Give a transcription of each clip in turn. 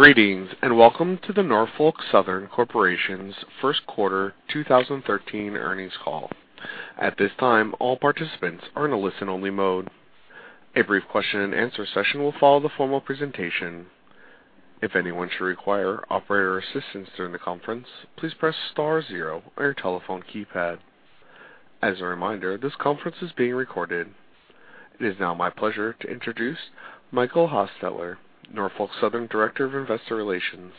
Greetings, and welcome to the Norfolk Southern Corporation's first quarter 2013 earnings call. At this time, all participants are in a listen-only mode. A brief question-and-answer session will follow the formal presentation. If anyone should require operator assistance during the conference, please press star zero on your telephone keypad. As a reminder, this conference is being recorded. It is now my pleasure to introduce Michael Hostutler, Norfolk Southern Director of Investor Relations.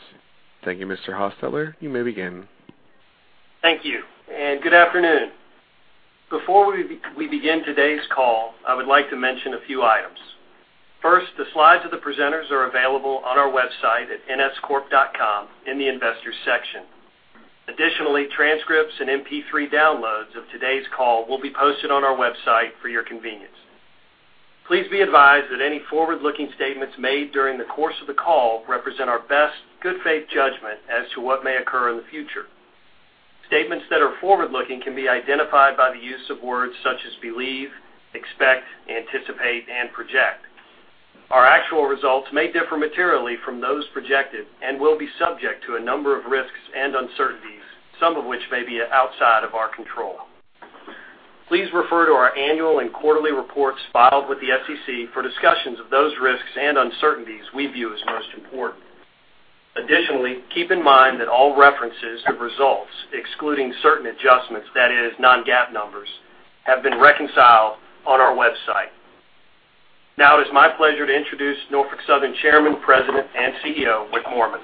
Thank you, Mr. Hostutler. You may begin. Thank you, and good afternoon. Before we begin today's call, I would like to mention a few items. First, the slides of the presenters are available on our website at nscorp.com in the Investors section. Additionally, transcripts and MP3 downloads of today's call will be posted on our website for your convenience. Please be advised that any forward-looking statements made during the course of the call represent our best good faith judgment as to what may occur in the future. Statements that are forward-looking can be identified by the use of words such as believe, expect, anticipate, and project. Our actual results may differ materially from those projected and will be subject to a number of risks and uncertainties, some of which may be outside of our control. Please refer to our annual and quarterly reports filed with the SEC for discussions of those risks and uncertainties we view as most important. Additionally, keep in mind that all references to results, excluding certain adjustments, that is, non-GAAP numbers, have been reconciled on our website. Now, it is my pleasure to introduce Norfolk Southern Chairman, President, and CEO, Wick Moorman.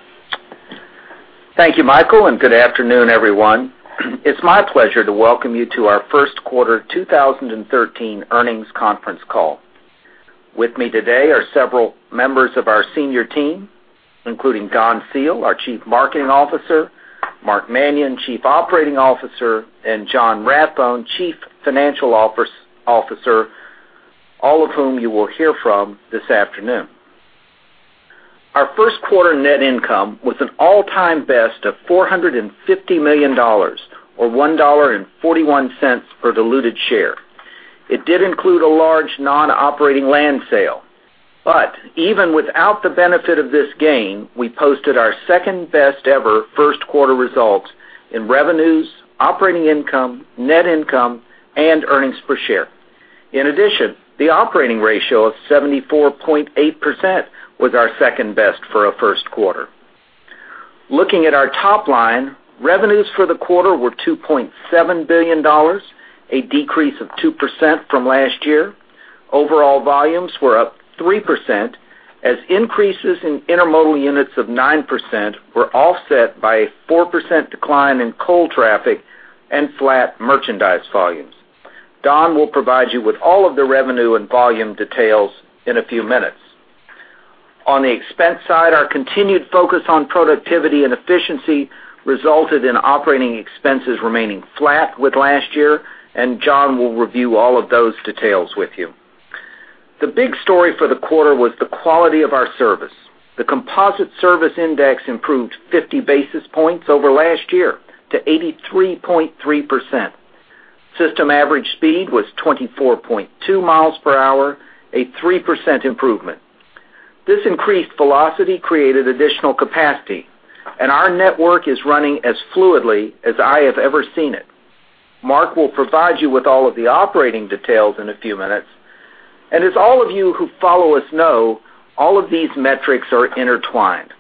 Thank you, Michael, and good afternoon, everyone. It's my pleasure to welcome you to our first quarter 2013 earnings conference call. With me today are several members of our senior team, including Don Seale, our Chief Marketing Officer, Mark Manion, Chief Operating Officer, and John Rathbone, Chief Financial Officer, all of whom you will hear from this afternoon. Our first quarter net income was an all-time best of $450 million, or $1.41 per diluted share. It did include a large non-operating land sale, but even without the benefit of this gain, we posted our second-best-ever first quarter results in revenues, operating income, net income, and earnings per share. In addition, the operating ratio of 74.8% was our second best for a first quarter. Looking at our top line, revenues for the quarter were $2.7 billion, a decrease of 2% from last year. Overall volumes were up 3%, as increases in intermodal units of 9% were offset by a 4% decline in coal traffic and flat merchandise volumes. Don will provide you with all of the revenue and volume details in a few minutes. On the expense side, our continued focus on productivity and efficiency resulted in operating expenses remaining flat with last year, and John will review all of those details with you. The big story for the quarter was the quality of our service. The Composite Service Index improved 50 basis points over last year to 83.3%. System average speed was 24.2 miles per hour, a 3% improvement. This increased velocity created additional capacity, and our network is running as fluidly as I have ever seen it. Mark will provide you with all of the operating details in a few minutes, and as all of you who follow us know, all of these metrics are intertwined.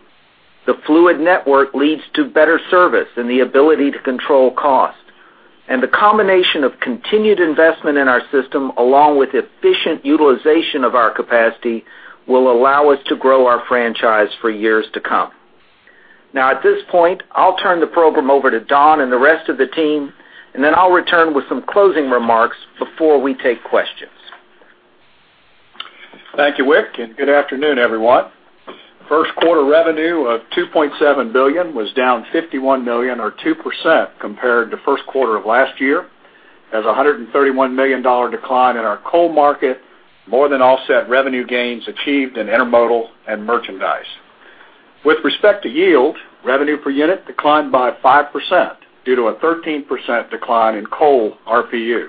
The fluid network leads to better service and the ability to control costs, and the combination of continued investment in our system, along with efficient utilization of our capacity, will allow us to grow our franchise for years to come. Now, at this point, I'll turn the program over to Don and the rest of the team, and then I'll return with some closing remarks before we take questions. Thank you, Wick, and good afternoon, everyone. First quarter revenue of $2.7 billion was down $51 million, or 2%, compared to first quarter of last year, as a $131 million decline in our coal market more than offset revenue gains achieved in intermodal and merchandise. With respect to yield, revenue per unit declined by 5% due to a 13% decline in coal RPU.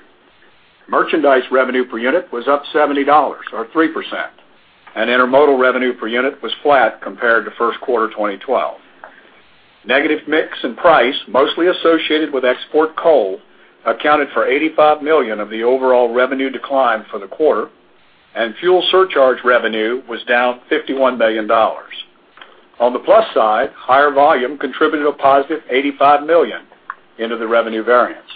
Merchandise revenue per unit was up $70, or 3%, and intermodal revenue per unit was flat compared to first quarter 2012. Negative mix and price, mostly associated with export coal, accounted for $85 million of the overall revenue decline for the quarter, and fuel surcharge revenue was down $51 million. On the plus side, higher volume contributed a positive $85 million into the revenue variance.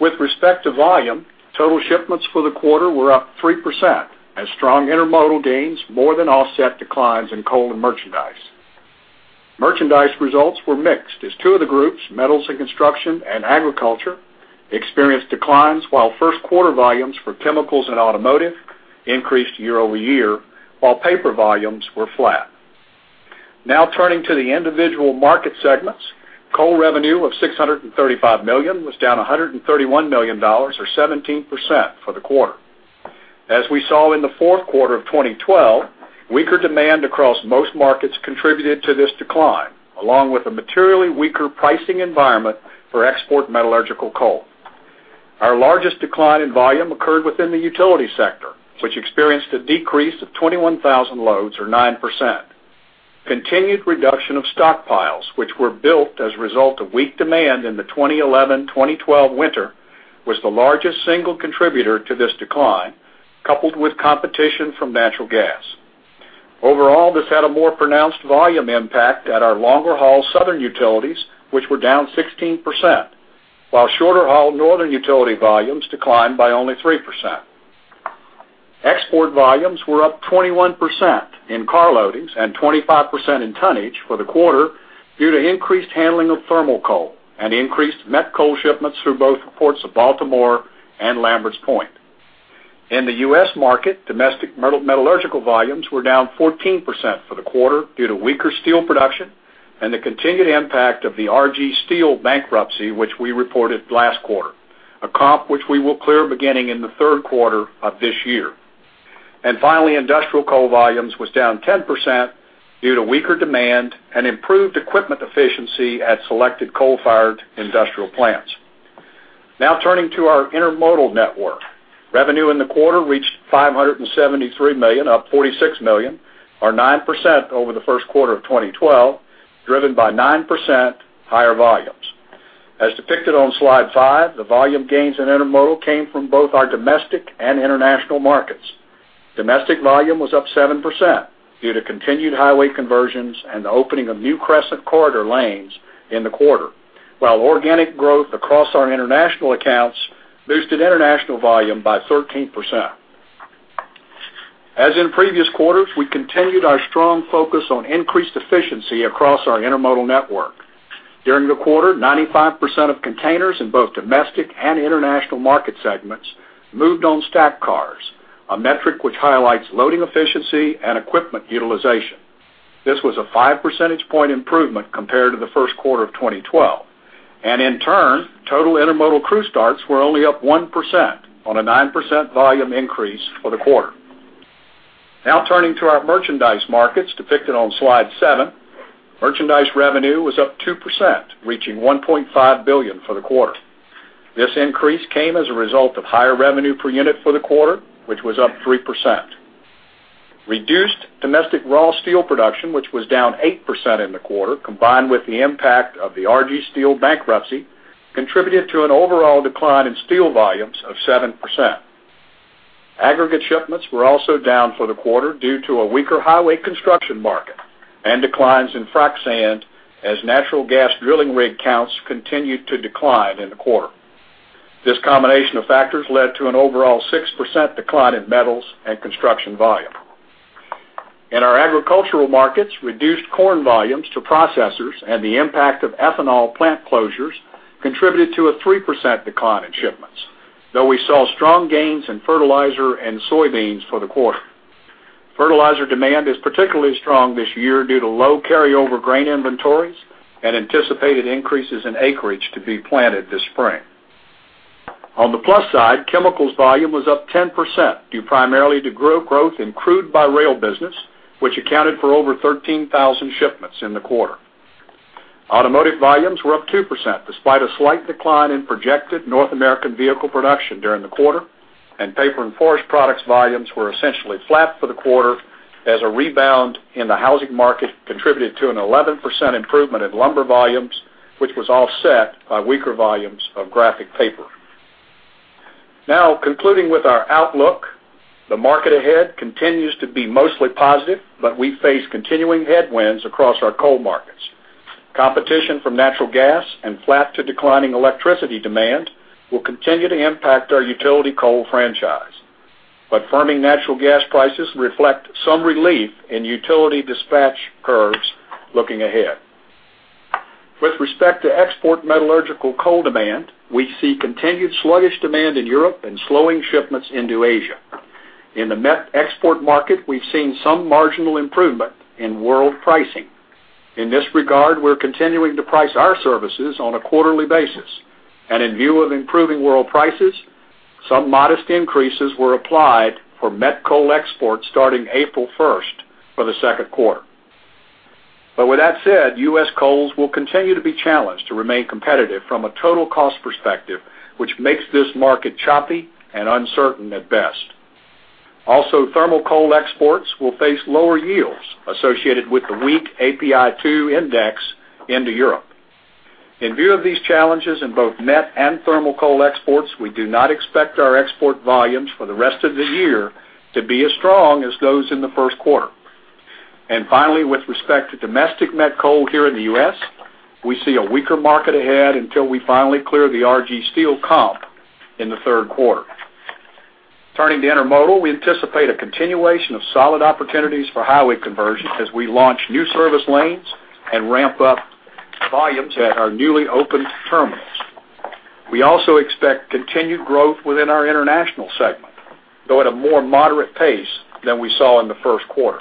With respect to volume, total shipments for the quarter were up 3%, as strong intermodal gains more than offset declines in coal and merchandise. Merchandise results were mixed, as two of the groups, metals and construction and agriculture, experienced declines, while first quarter volumes for chemicals and automotive increased year-over-year, while paper volumes were flat. Now turning to the individual market segments. Coal revenue of $635 million was down $131 million, or 17%, for the quarter. As we saw in the fourth quarter of 2012, weaker demand across most markets contributed to this decline, along with a materially weaker pricing environment for export metallurgical coal.... Our largest decline in volume occurred within the utility sector, which experienced a decrease of 21,000 loads or 9%. Continued reduction of stockpiles, which were built as a result of weak demand in the 2011, 2012 winter, was the largest single contributor to this decline, coupled with competition from natural gas. Overall, this had a more pronounced volume impact at our longer haul southern utilities, which were down 16%, while shorter haul northern utility volumes declined by only 3%. Export volumes were up 21% in car loadings and 25% in tonnage for the quarter due to increased handling of thermal coal and increased met coal shipments through both ports of Baltimore and Lamberts Point. In the U.S. market, domestic metallurgical volumes were down 14% for the quarter due to weaker steel production and the continued impact of the RG Steel bankruptcy, which we reported last quarter, a comp which we will clear beginning in the third quarter of this year. And finally, industrial coal volumes was down 10% due to weaker demand and improved equipment efficiency at selected coal-fired industrial plants. Now, turning to our intermodal network. Revenue in the quarter reached $573 million, up $46 million, or 9% over the first quarter of 2012, driven by 9% higher volumes. As depicted on slide 5, the volume gains in intermodal came from both our domestic and international markets. Domestic volume was up 7% due to continued highway conversions and the opening of new Crescent Corridor lanes in the quarter, while organic growth across our international accounts boosted international volume by 13%. As in previous quarters, we continued our strong focus on increased efficiency across our intermodal network. During the quarter, 95% of containers in both domestic and international market segments moved on stack cars, a metric which highlights loading efficiency and equipment utilization. This was a 5 percentage point improvement compared to the first quarter of 2012, and in turn, total intermodal crew starts were only up 1% on a 9% volume increase for the quarter. Now, turning to our merchandise markets depicted on slide 7. Merchandise revenue was up 2%, reaching $1.5 billion for the quarter. This increase came as a result of higher revenue per unit for the quarter, which was up 3%. Reduced domestic raw steel production, which was down 8% in the quarter, combined with the impact of the RG Steel bankruptcy, contributed to an overall decline in steel volumes of 7%. Aggregate shipments were also down for the quarter due to a weaker highway construction market and declines in frac sand as natural gas drilling rig counts continued to decline in the quarter. This combination of factors led to an overall 6% decline in metals and construction volume. In our agricultural markets, reduced corn volumes to processors and the impact of ethanol plant closures contributed to a 3% decline in shipments, though we saw strong gains in fertilizer and soybeans for the quarter. Fertilizer demand is particularly strong this year due to low carryover grain inventories and anticipated increases in acreage to be planted this spring. On the plus side, chemicals volume was up 10%, due primarily to growth in crude by rail business, which accounted for over 13,000 shipments in the quarter. Automotive volumes were up 2%, despite a slight decline in projected North American vehicle production during the quarter, and paper and forest products volumes were essentially flat for the quarter as a rebound in the housing market contributed to an 11% improvement in lumber volumes, which was offset by weaker volumes of graphic paper. Now, concluding with our outlook, the market ahead continues to be mostly positive, but we face continuing headwinds across our coal markets. Competition from natural gas and flat to declining electricity demand will continue to impact our utility coal franchise, but firming natural gas prices reflect some relief in utility dispatch curves looking ahead. With respect to export metallurgical coal demand, we see continued sluggish demand in Europe and slowing shipments into Asia. In the met export market, we've seen some marginal improvement in world pricing. In this regard, we're continuing to price our services on a quarterly basis, and in view of improving world prices, some modest increases were applied for met coal exports starting April first for the second quarter. But with that said, U.S. coals will continue to be challenged to remain competitive from a total cost perspective, which makes this market choppy and uncertain at best. Also, thermal coal exports will face lower yields associated with the weak API2 index into Europe. In view of these challenges in both met and thermal coal exports, we do not expect our export volumes for the rest of the year to be as strong as those in the first quarter. And finally, with respect to domestic met coal here in the U.S., we see a weaker market ahead until we finally clear the RG Steel comp in the third quarter. Turning to intermodal, we anticipate a continuation of solid opportunities for highway conversion as we launch new service lanes and ramp up volumes at our newly opened terminals. We also expect continued growth within our international segment, though at a more moderate pace than we saw in the first quarter.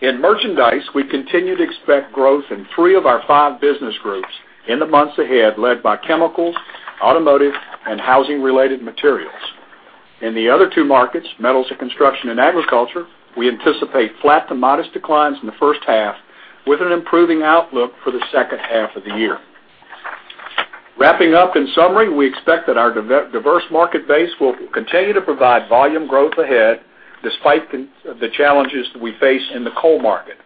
In merchandise, we continue to expect growth in three of our five business groups in the months ahead, led by chemicals, automotive, and housing-related materials... In the other two markets, metals and construction and agriculture, we anticipate flat to modest declines in the first half, with an improving outlook for the second half of the year. Wrapping up, in summary, we expect that our diverse market base will continue to provide volume growth ahead, despite the challenges that we face in the coal market.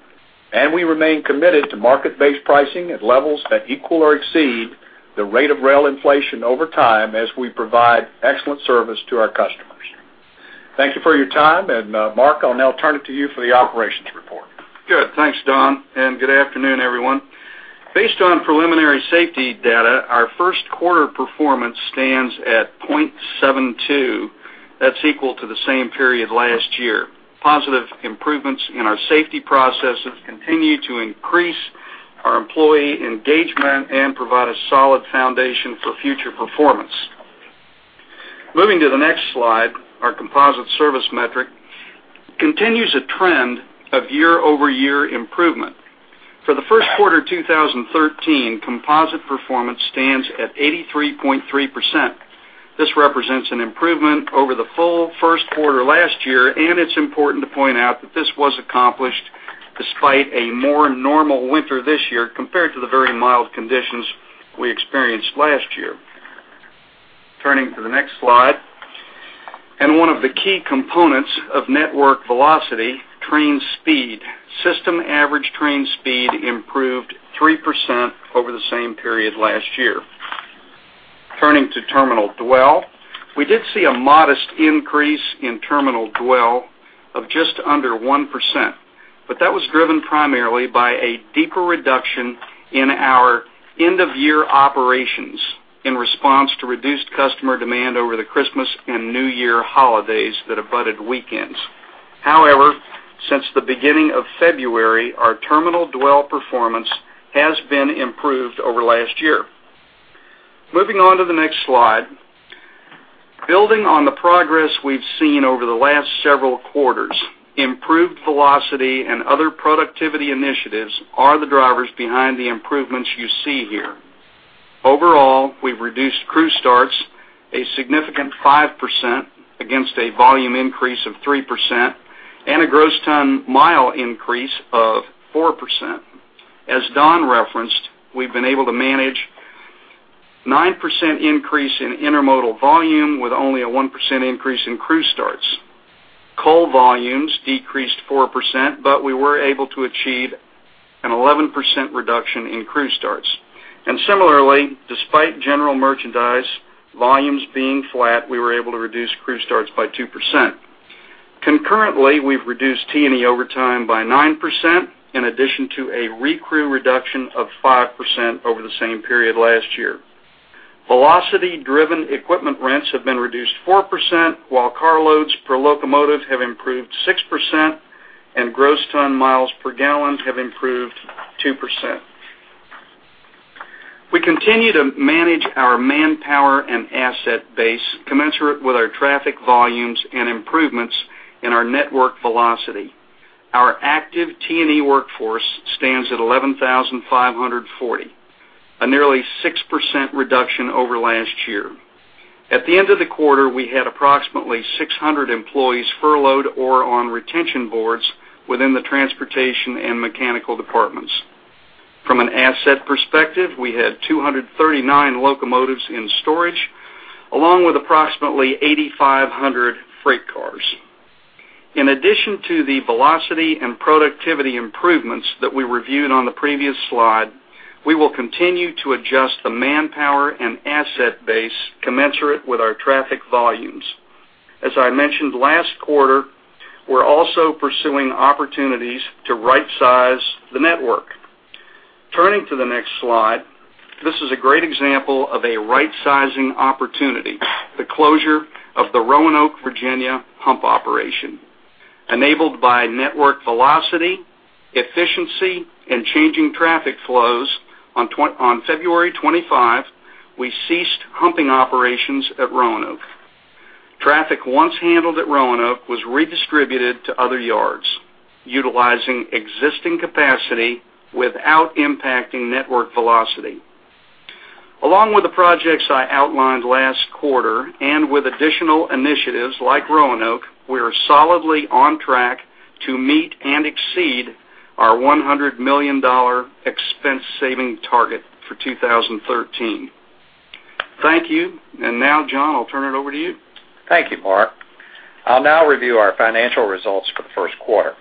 We remain committed to market-based pricing at levels that equal or exceed the rate of rail inflation over time as we provide excellent service to our customers. Thank you for your time, and, Mark, I'll now turn it to you for the operations report. Good. Thanks, Don, and good afternoon, everyone. Based on preliminary safety data, our first quarter performance stands at 0.72. That's equal to the same period last year. Positive improvements in our safety processes continue to increase our employee engagement and provide a solid foundation for future performance. Moving to the next slide, our composite service metric continues a trend of year-over-year improvement. For the first quarter of 2013, composite performance stands at 83.3%. This represents an improvement over the full first quarter last year, and it's important to point out that this was accomplished despite a more normal winter this year compared to the very mild conditions we experienced last year. Turning to the next slide, and one of the key components of network velocity, train speed. System average train speed improved 3% over the same period last year. Turning to terminal dwell, we did see a modest increase in terminal dwell of just under 1%, but that was driven primarily by a deeper reduction in our end-of-year operations in response to reduced customer demand over the Christmas and New Year holidays that abutted weekends. However, since the beginning of February, our terminal dwell performance has been improved over last year. Moving on to the next slide, building on the progress we've seen over the last several quarters, improved velocity and other productivity initiatives are the drivers behind the improvements you see here. Overall, we've reduced crew starts a significant 5% against a volume increase of 3% and a gross ton mile increase of 4%. As Don referenced, we've been able to manage 9% increase in intermodal volume with only a 1% increase in crew starts. Coal volumes decreased 4%, but we were able to achieve an 11% reduction in crew starts. And similarly, despite general merchandise volumes being flat, we were able to reduce crew starts by 2%. Concurrently, we've reduced T&E overtime by 9%, in addition to a recrew reduction of 5% over the same period last year. Velocity-driven equipment rents have been reduced 4%, while car loads per locomotive have improved 6%, and gross ton miles per gallon have improved 2%. We continue to manage our manpower and asset base commensurate with our traffic volumes and improvements in our network velocity. Our active T&E workforce stands at 11,540, a nearly 6% reduction over last year. At the end of the quarter, we had approximately 600 employees furloughed or on retention boards within the transportation and mechanical departments. From an asset perspective, we had 239 locomotives in storage, along with approximately 8,500 freight cars. In addition to the velocity and productivity improvements that we reviewed on the previous slide, we will continue to adjust the manpower and asset base commensurate with our traffic volumes. As I mentioned last quarter, we're also pursuing opportunities to rightsize the network. Turning to the next slide, this is a great example of a rightsizing opportunity, the closure of the Roanoke, Virginia, hump operation. Enabled by network velocity, efficiency, and changing traffic flows, on February 25, we ceased humping operations at Roanoke. Traffic once handled at Roanoke was redistributed to other yards, utilizing existing capacity without impacting network velocity. Along with the projects I outlined last quarter, and with additional initiatives like Roanoke, we are solidly on track to meet and exceed our $100 million expense saving target for 2013. Thank you. Now, John, I'll turn it over to you. Thank you, Mark. I'll now review our financial results for the first quarter.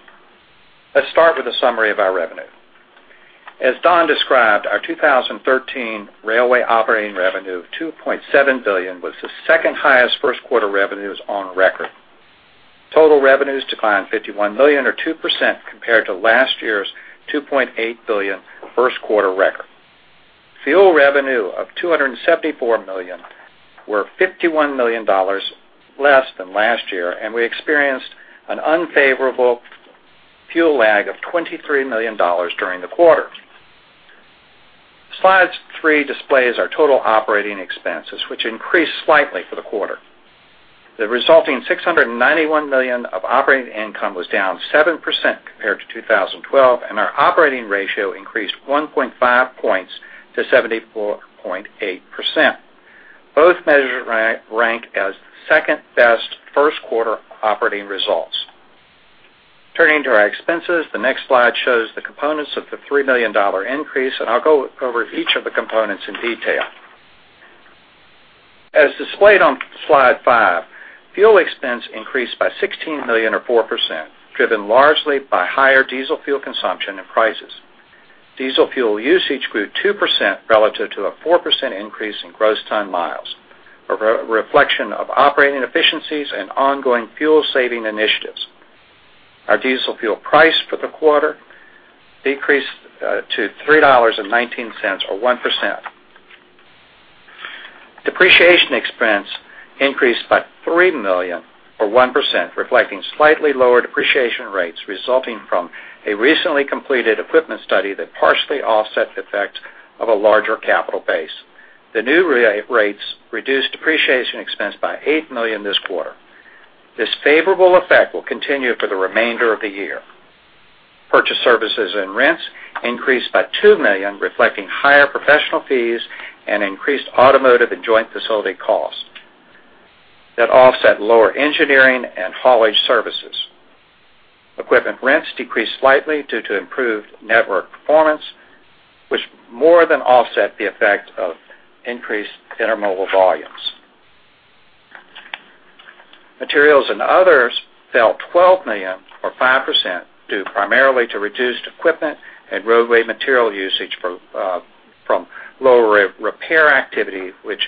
Let's start with a summary of our revenue. As Don described, our 2013 railway operating revenue of $2.7 billion was the second-highest first quarter revenues on record. Total revenues declined $51 million, or 2%, compared to last year's $2.8 billion first quarter record. Fuel revenue of $274 million were $51 million less than last year, and we experienced an unfavorable fuel lag of $23 million during the quarter. Slide 3 displays our total operating expenses, which increased slightly for the quarter. The resulting $691 million of operating income was down 7% compared to 2012, and our operating ratio increased 1.5 points to 74.8%. Both measures rank as second best first quarter operating results. Turning to our expenses, the next slide shows the components of the $3 million increase, and I'll go over each of the components in detail. As displayed on slide 5, fuel expense increased by $16 million or 4%, driven largely by higher diesel fuel consumption and prices. Diesel fuel usage grew 2% relative to a 4% increase in gross ton miles, a reflection of operating efficiencies and ongoing fuel saving initiatives. Our diesel fuel price for the quarter decreased to $3.19, or 1%. Depreciation expense increased by $3 million or 1%, reflecting slightly lower depreciation rates resulting from a recently completed equipment study that partially offset the effect of a larger capital base. The new rates reduced depreciation expense by $8 million this quarter. This favorable effect will continue for the remainder of the year. Purchase services and rents increased by $2 million, reflecting higher professional fees and increased automotive and joint facility costs that offset lower engineering and haulage services. Equipment rents decreased slightly due to improved network performance, which more than offset the effect of increased intermodal volumes. Materials and others fell $12 million or 5%, due primarily to reduced equipment and roadway material usage from lower repair activity, which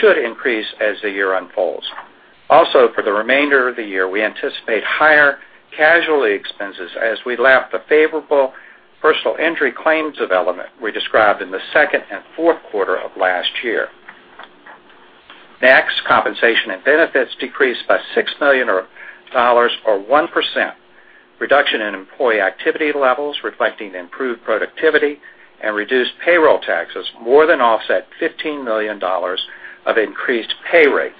should increase as the year unfolds. Also, for the remainder of the year, we anticipate higher casualty expenses as we lap the favorable personal injury claims development we described in the second and fourth quarter of last year. Next, compensation and benefits decreased by six million dollars, or 1%. Reduction in employee activity levels, reflecting improved productivity and reduced payroll taxes, more than offset $15 million of increased pay rates.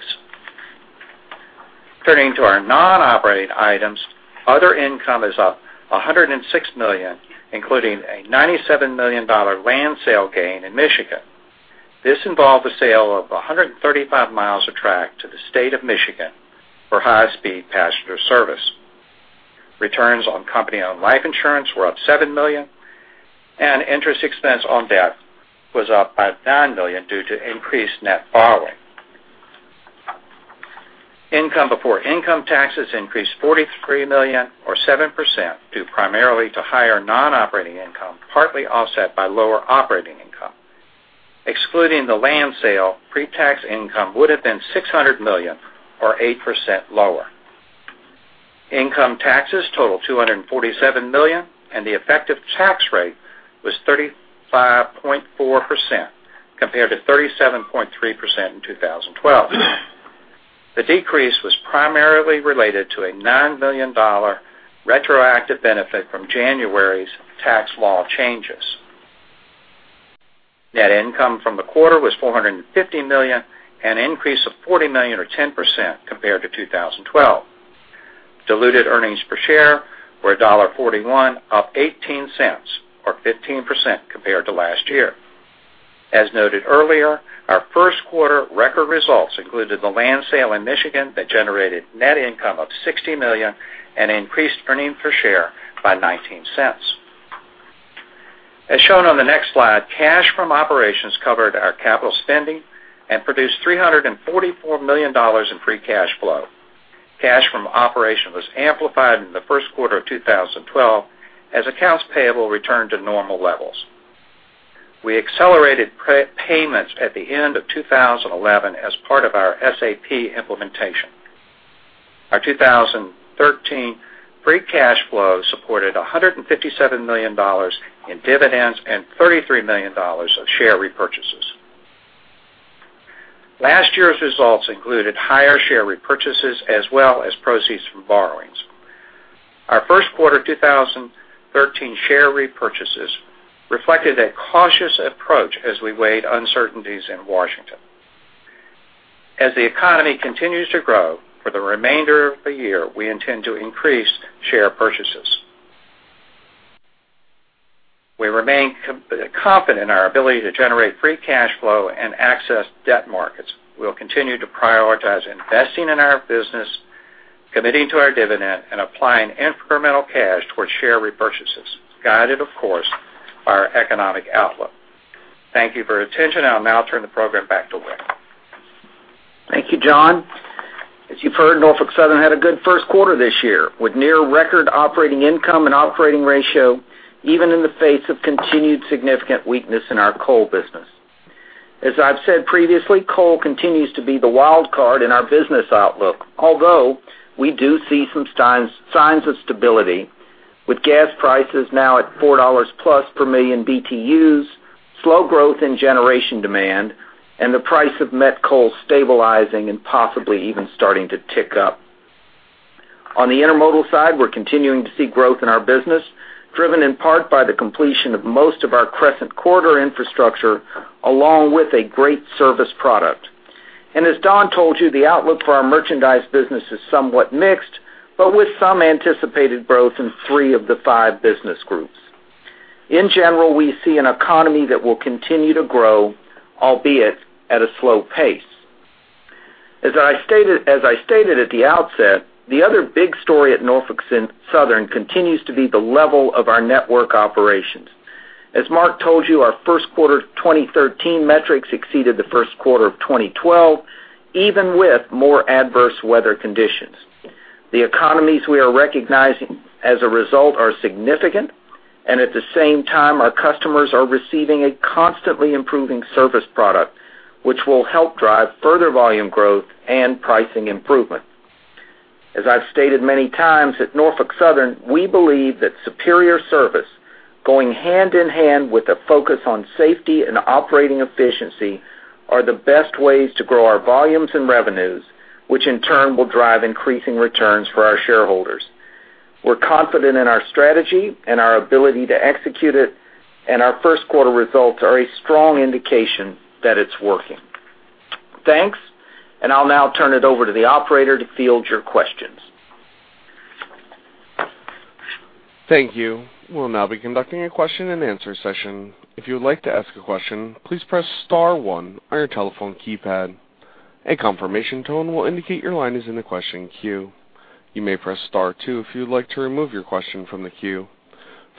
Turning to our non-operating items, other income is up $106 million, including a $97 million land sale gain in Michigan. This involved the sale of 135 miles of track to the state of Michigan for high-speed passenger service. Returns on company-owned life insurance were up $7 million, and interest expense on debt was up by $9 million due to increased net borrowing. Income before income taxes increased $43 million or 7%, due primarily to higher non-operating income, partly offset by lower operating income. Excluding the land sale, pre-tax income would have been $600 million or 8% lower. Income taxes total $247 million, and the effective tax rate was 35.4%, compared to 37.3% in 2012. The decrease was primarily related to a $9 million retroactive benefit from January's tax law changes. Net income from the quarter was $450 million, an increase of $40 million or 10% compared to 2012. Diluted earnings per share were $1.41, up 18 cents or 15% compared to last year. As noted earlier, our first quarter record results included the land sale in Michigan that generated net income of $60 million and increased earnings per share by 19 cents. As shown on the next slide, cash from operations covered our capital spending and produced $344 million in free cash flow. Cash from operations was amplified in the first quarter of 2012 as accounts payable returned to normal levels. We accelerated pre-payments at the end of 2011 as part of our SAP implementation. Our 2013 free cash flow supported $157 million in dividends and $33 million of share repurchases. Last year's results included higher share repurchases as well as proceeds from borrowings. Our first quarter 2013 share repurchases reflected a cautious approach as we weighed uncertainties in Washington. As the economy continues to grow, for the remainder of the year, we intend to increase share purchases. We remain confident in our ability to generate free cash flow and access debt markets. We'll continue to prioritize investing in our business, committing to our dividend, and applying incremental cash towards share repurchases, guided, of course, by our economic outlook. Thank you for your attention, and I'll now turn the program back to Wick. Thank you, John. As you've heard, Norfolk Southern had a good first quarter this year, with near record operating income and operating ratio, even in the face of continued significant weakness in our coal business. As I've said previously, coal continues to be the wild card in our business outlook, although we do see some signs of stability with gas prices now at $4+ per million BTUs, slow growth in generation demand, and the price of met coal stabilizing and possibly even starting to tick up. On the intermodal side, we're continuing to see growth in our business, driven in part by the completion of most of our Crescent Corridor infrastructure, along with a great service product. And as Don told you, the outlook for our merchandise business is somewhat mixed, but with some anticipated growth in 3 of the 5 business groups. In general, we see an economy that will continue to grow, albeit at a slow pace. As I stated, as I stated at the outset, the other big story at Norfolk Southern continues to be the level of our network operations. As Mark told you, our first quarter 2013 metrics exceeded the first quarter of 2012, even with more adverse weather conditions. The economies we are recognizing as a result are significant, and at the same time, our customers are receiving a constantly improving service product, which will help drive further volume growth and pricing improvement. As I've stated many times, at Norfolk Southern, we believe that superior service, going hand in hand with a focus on safety and operating efficiency, are the best ways to grow our volumes and revenues, which in turn will drive increasing returns for our shareholders. We're confident in our strategy and our ability to execute it, and our first quarter results are a strong indication that it's working. Thanks, and I'll now turn it over to the operator to field your questions. Thank you. We'll now be conducting a question-and-answer session. If you would like to ask a question, please press star one on your telephone keypad. A confirmation tone will indicate your line is in the question queue. You may press star two if you would like to remove your question from the queue.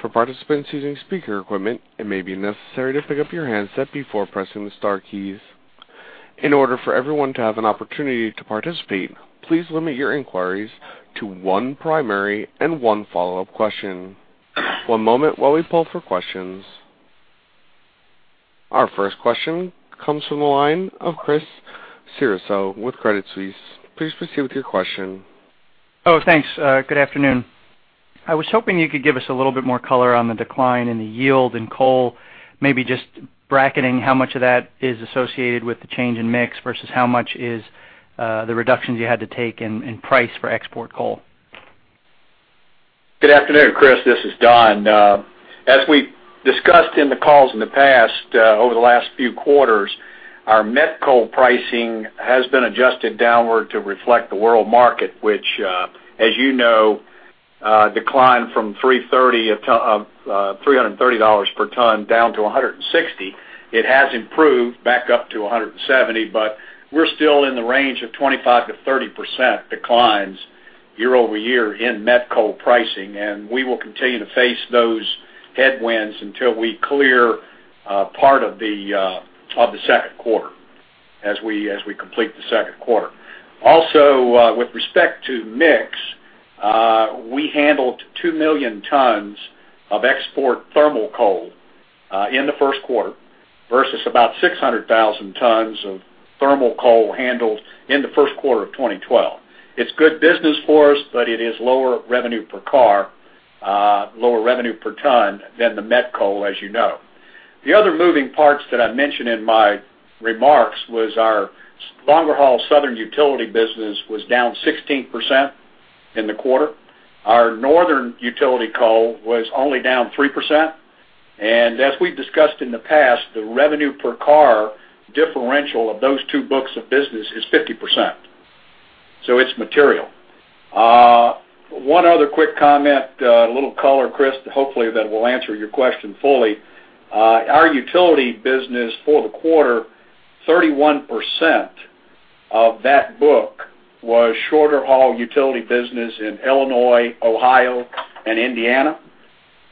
For participants using speaker equipment, it may be necessary to pick up your handset before pressing the star keys. In order for everyone to have an opportunity to participate, please limit your inquiries to one primary and one follow-up question. One moment while we pull for questions. Our first question comes from the line of Chris Ceraso with Credit Suisse. Please proceed with your question. Oh, thanks. Good afternoon. I was hoping you could give us a little bit more color on the decline in the yield in coal, maybe just bracketing how much of that is associated with the change in mix versus how much is the reductions you had to take in price for export coal. Good afternoon, Chris. This is Don. As we discussed in the calls in the past, over the last few quarters, our met coal pricing has been adjusted downward to reflect the world market, which, as you know, declined from $330 per ton down to $160. It has improved back up to $170, but we're still in the range of 25%-30% declines year-over-year in met coal pricing, and we will continue to face those headwinds until we clear part of the second quarter, as we complete the second quarter. Also, with respect to mix, we handled 2 million tons of export thermal coal in the first quarter versus about 600,000 tons of thermal coal handled in the first quarter of 2012. It's good business for us, but it is lower revenue per car, lower revenue per ton than the met coal, as you know. The other moving parts that I mentioned in my remarks was our longer-haul Southern utility business was down 16% in the quarter. Our northern utility coal was only down 3%, and as we've discussed in the past, the revenue per car differential of those two books of business is 50%, so it's material. One other quick comment, a little color, Chris, hopefully, that will answer your question fully. Our utility business for the quarter, 31% of that book was shorter-haul utility business in Illinois, Ohio, and Indiana,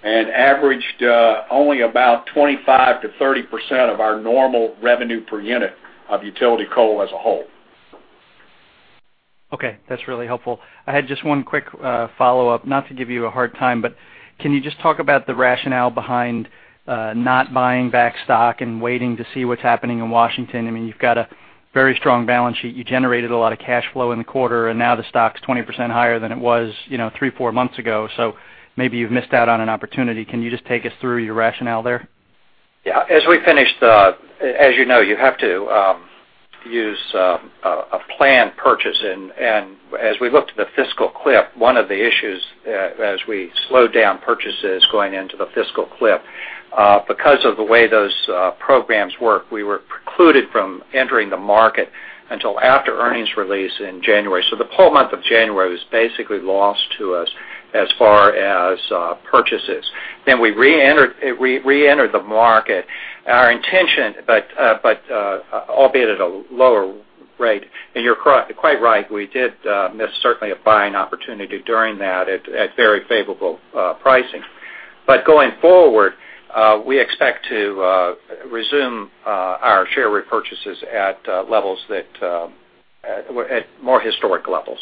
and averaged only about 25%-30% of our normal revenue per unit of utility coal as a whole. Okay, that's really helpful. I had just one quick, follow-up, not to give you a hard time, but can you just talk about the rationale behind, not buying back stock and waiting to see what's happening in Washington? I mean, you've got a very strong balance sheet. You generated a lot of cash flow in the quarter, and now the stock's 20% higher than it was, you know, three, four months ago. So maybe you've missed out on an opportunity. Can you just take us through your rationale there? Yeah. As you know, you have to use a planned purchase, and as we looked at the Fiscal Cliff, one of the issues as we slowed down purchases going into the Fiscal Cliff because of the way those programs work, we were precluded from entering the market until after earnings release in January. So the whole month of January was basically lost to us as far as purchases. Then we reentered, we reentered the market. Our intention, but but albeit at a lower rate, and you're quite right, we did miss certainly a buying opportunity during that at very favorable pricing. But going forward, we expect to resume our share repurchases at levels that at more historic levels.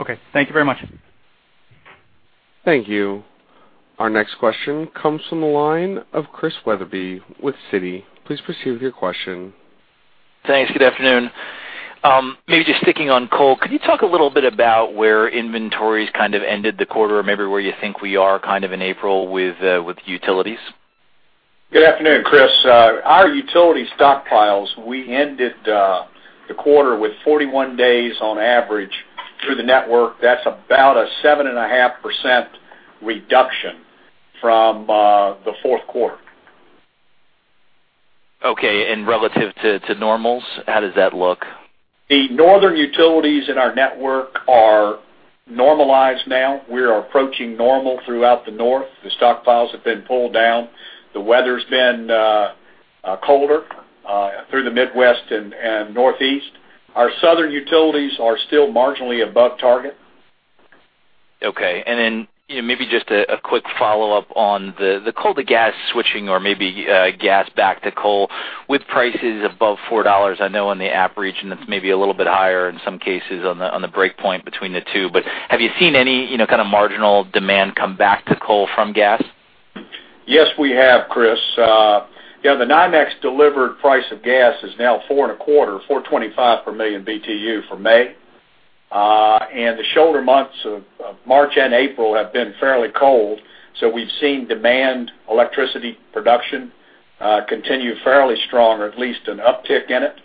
Okay. Thank you very much. Thank you. Our next question comes from the line of Chris Wetherbee with Citi. Please proceed with your question. Thanks. Good afternoon. Maybe just sticking on coal, could you talk a little bit about where inventories kind of ended the quarter, or maybe where you think we are kind of in April with utilities? Good afternoon, Chris. Our utility stockpiles, we ended the quarter with 41 days on average through the network. That's about a 7.5% reduction from the fourth quarter. Okay. And relative to normals, how does that look? The northern utilities in our network are normalized now. We are approaching normal throughout the north. The stockpiles have been pulled down. The weather's been colder through the Midwest and Northeast. Our southern utilities are still marginally above target. Okay. Then, you know, maybe just a quick follow-up on the coal to gas switching or maybe gas back to coal. With prices above $4, I know in the app region, it's maybe a little bit higher in some cases on the break point between the two. But have you seen any, you know, kind of marginal demand come back to coal from gas? Yes, we have, Chris. Yeah, the NYMEX delivered price of gas is now $4.25 per million BTU for May. And the shoulder months of March and April have been fairly cold, so we've seen demand, electricity production, continue fairly strong, or at least an uptick in it.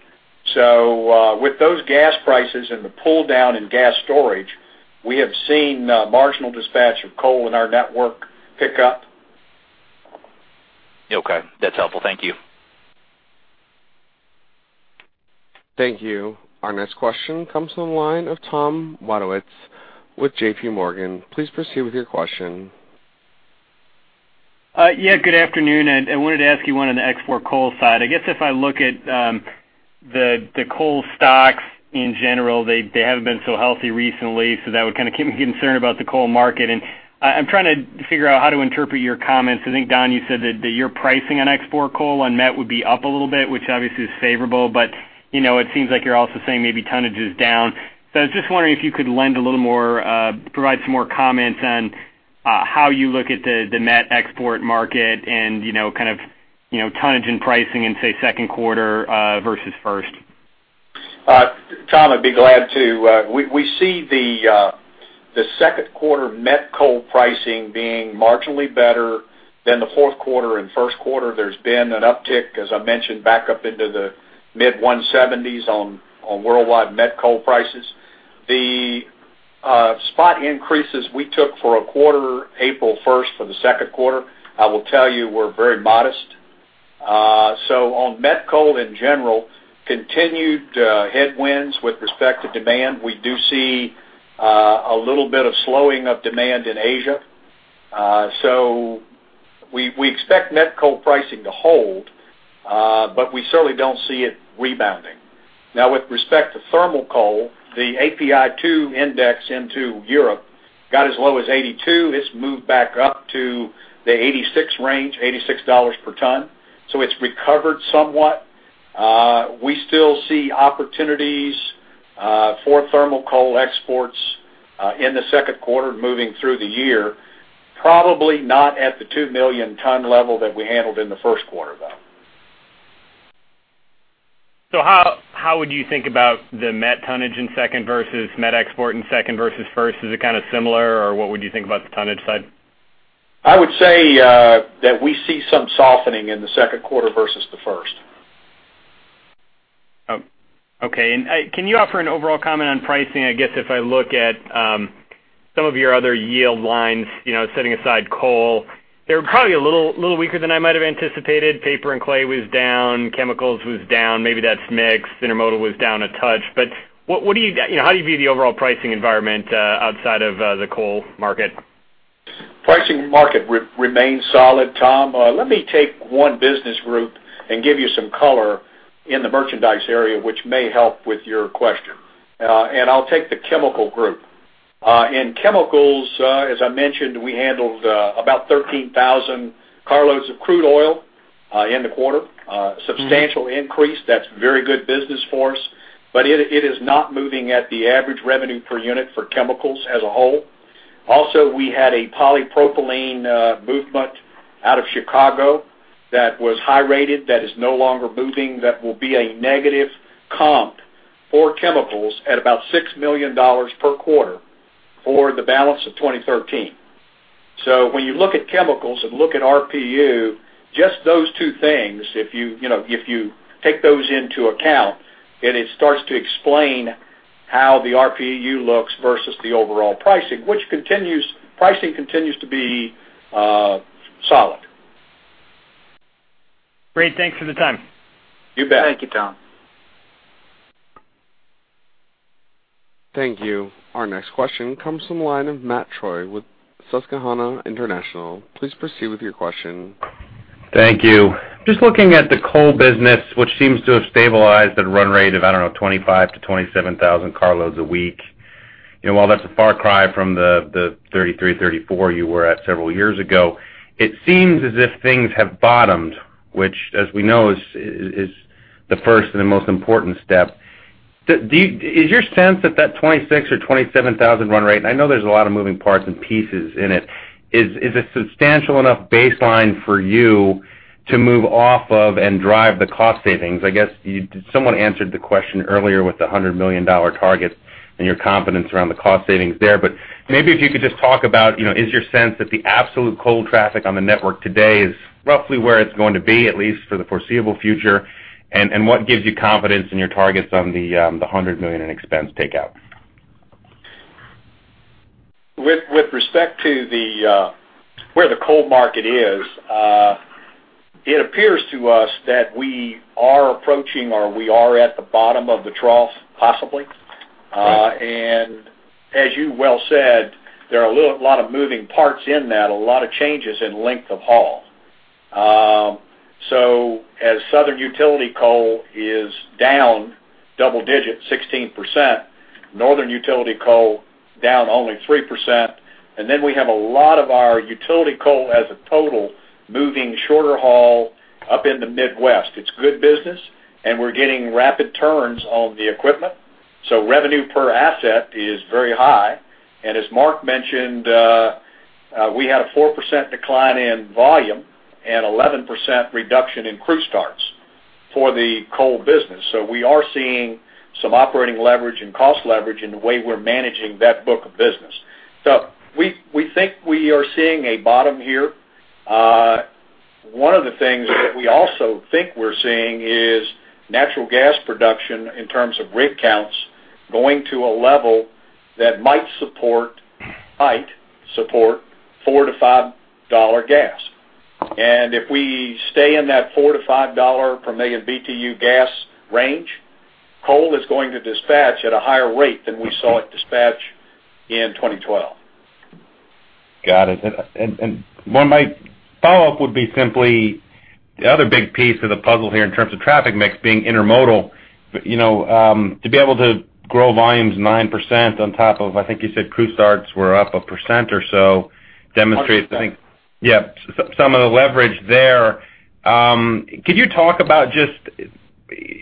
So, with those gas prices and the pull down in gas storage, we have seen marginal dispatch of coal in our network pick up. Okay, that's helpful. Thank you. Thank you. Our next question comes from the line of Tom Wadewitz with JP Morgan. Please proceed with your question. Yeah, good afternoon. I wanted to ask you one on the export coal side. I guess if I look at the coal stocks in general, they haven't been so healthy recently, so that would kind of keep me concerned about the coal market. I'm trying to figure out how to interpret your comments. I think, Don, you said that your pricing on export coal on met would be up a little bit, which obviously is favorable. But, you know, it seems like you're also saying maybe tonnage is down. So I was just wondering if you could lend a little more, provide some more comments on how you look at the met export market and, you know, kind of, you know, tonnage and pricing in, say, second quarter versus first. Tom, I'd be glad to. We see the second quarter met coal pricing being marginally better than the fourth quarter and first quarter. There's been an uptick, as I mentioned, back up into the mid-170s on worldwide met coal prices. The spot increases we took for a quarter, April 1 for the second quarter, I will tell you, were very modest. So on met coal in general, continued headwinds with respect to demand. We do see a little bit of slowing of demand in Asia. So we expect met coal pricing to hold, but we certainly don't see it rebounding. Now, with respect to thermal coal, the API2 index into Europe got as low as $82. It's moved back up to the 86 range, $86 per ton, so it's recovered somewhat. We still see opportunities for thermal coal exports in the second quarter moving through the year, probably not at the 2 million ton level that we handled in the first quarter, though. So how, how would you think about the met tonnage in second versus met export in second versus first? Is it kind of similar, or what would you think about the tonnage side? I would say, that we see some softening in the second quarter versus the first. Oh, okay. And can you offer an overall comment on pricing? I guess if I look at some of your other yield lines, you know, setting aside coal, they're probably a little, little weaker than I might have anticipated. Paper and clay was down, chemicals was down, maybe that's mixed. Intermodal was down a touch. But what, what do you... You know, how do you view the overall pricing environment outside of the coal market? Pricing market remains solid, Tom. Let me take one business group and give you some color in the merchandise area, which may help with your question. And I'll take the chemical group. In chemicals, as I mentioned, we handled about 13,000 carloads of crude oil in the quarter. Mm-hmm. Substantial increase. That's very good business for us, but it, it is not moving at the average revenue per unit for chemicals as a whole. Also, we had a polypropylene movement out of Chicago that was high rated, that is no longer moving. That will be a negative comp for chemicals at about $6 million per quarter for the balance of 2013. So when you look at chemicals and look at RPU, just those two things, if you, you know, if you take those into account, then it starts to explain how the RPU looks versus the overall pricing, which continues, pricing continues to be solid. Great. Thanks for the time. You bet. Thank you, Tom. Thank you. Our next question comes from the line of Matt Troy with Susquehanna International. Please proceed with your question. Thank you. Just looking at the coal business, which seems to have stabilized at a run rate of, I don't know, 25-27,000 carloads a week. You know, while that's a far cry from the 33-34 you were at several years ago, it seems as if things have bottomed, which, as we know, is the first and the most important step. Do you, is your sense that that 26 or 27 thousand run rate, and I know there's a lot of moving parts and pieces in it, is a substantial enough baseline for you to move off of and drive the cost savings? I guess you, someone answered the question earlier with the $100 million target and your confidence around the cost savings there. But maybe if you could just talk about, you know, is your sense that the absolute coal traffic on the network today is roughly where it's going to be, at least for the foreseeable future? And, and what gives you confidence in your targets on the $100 million in expense takeout? ...With respect to where the coal market is, it appears to us that we are approaching or we are at the bottom of the trough, possibly. And as you well said, there are a lot of moving parts in that, a lot of changes in length of haul. So as Southern Utility Coal is down double digits, 16%, Northern Utility Coal down only 3%, and then we have a lot of our utility coal as a total, moving shorter haul up in the Midwest. It's good business, and we're getting rapid turns on the equipment, so revenue per asset is very high. And as Mark mentioned, we had a 4% decline in volume and 11% reduction in crew starts for the coal business. So we are seeing some operating leverage and cost leverage in the way we're managing that book of business. So we think we are seeing a bottom here. One of the things that we also think we're seeing is natural gas production in terms of rig counts, going to a level that might support $4-$5 gas. And if we stay in that $4-$5 per million BTU gas range, coal is going to dispatch at a higher rate than we saw it dispatch in 2012. Got it. Well, my follow-up would be simply, the other big piece of the puzzle here in terms of traffic mix being intermodal, you know, to be able to grow volumes 9% on top of, I think you said crew starts were up 1% or so, demonstrates, I think, yeah, some of the leverage there. Could you talk about just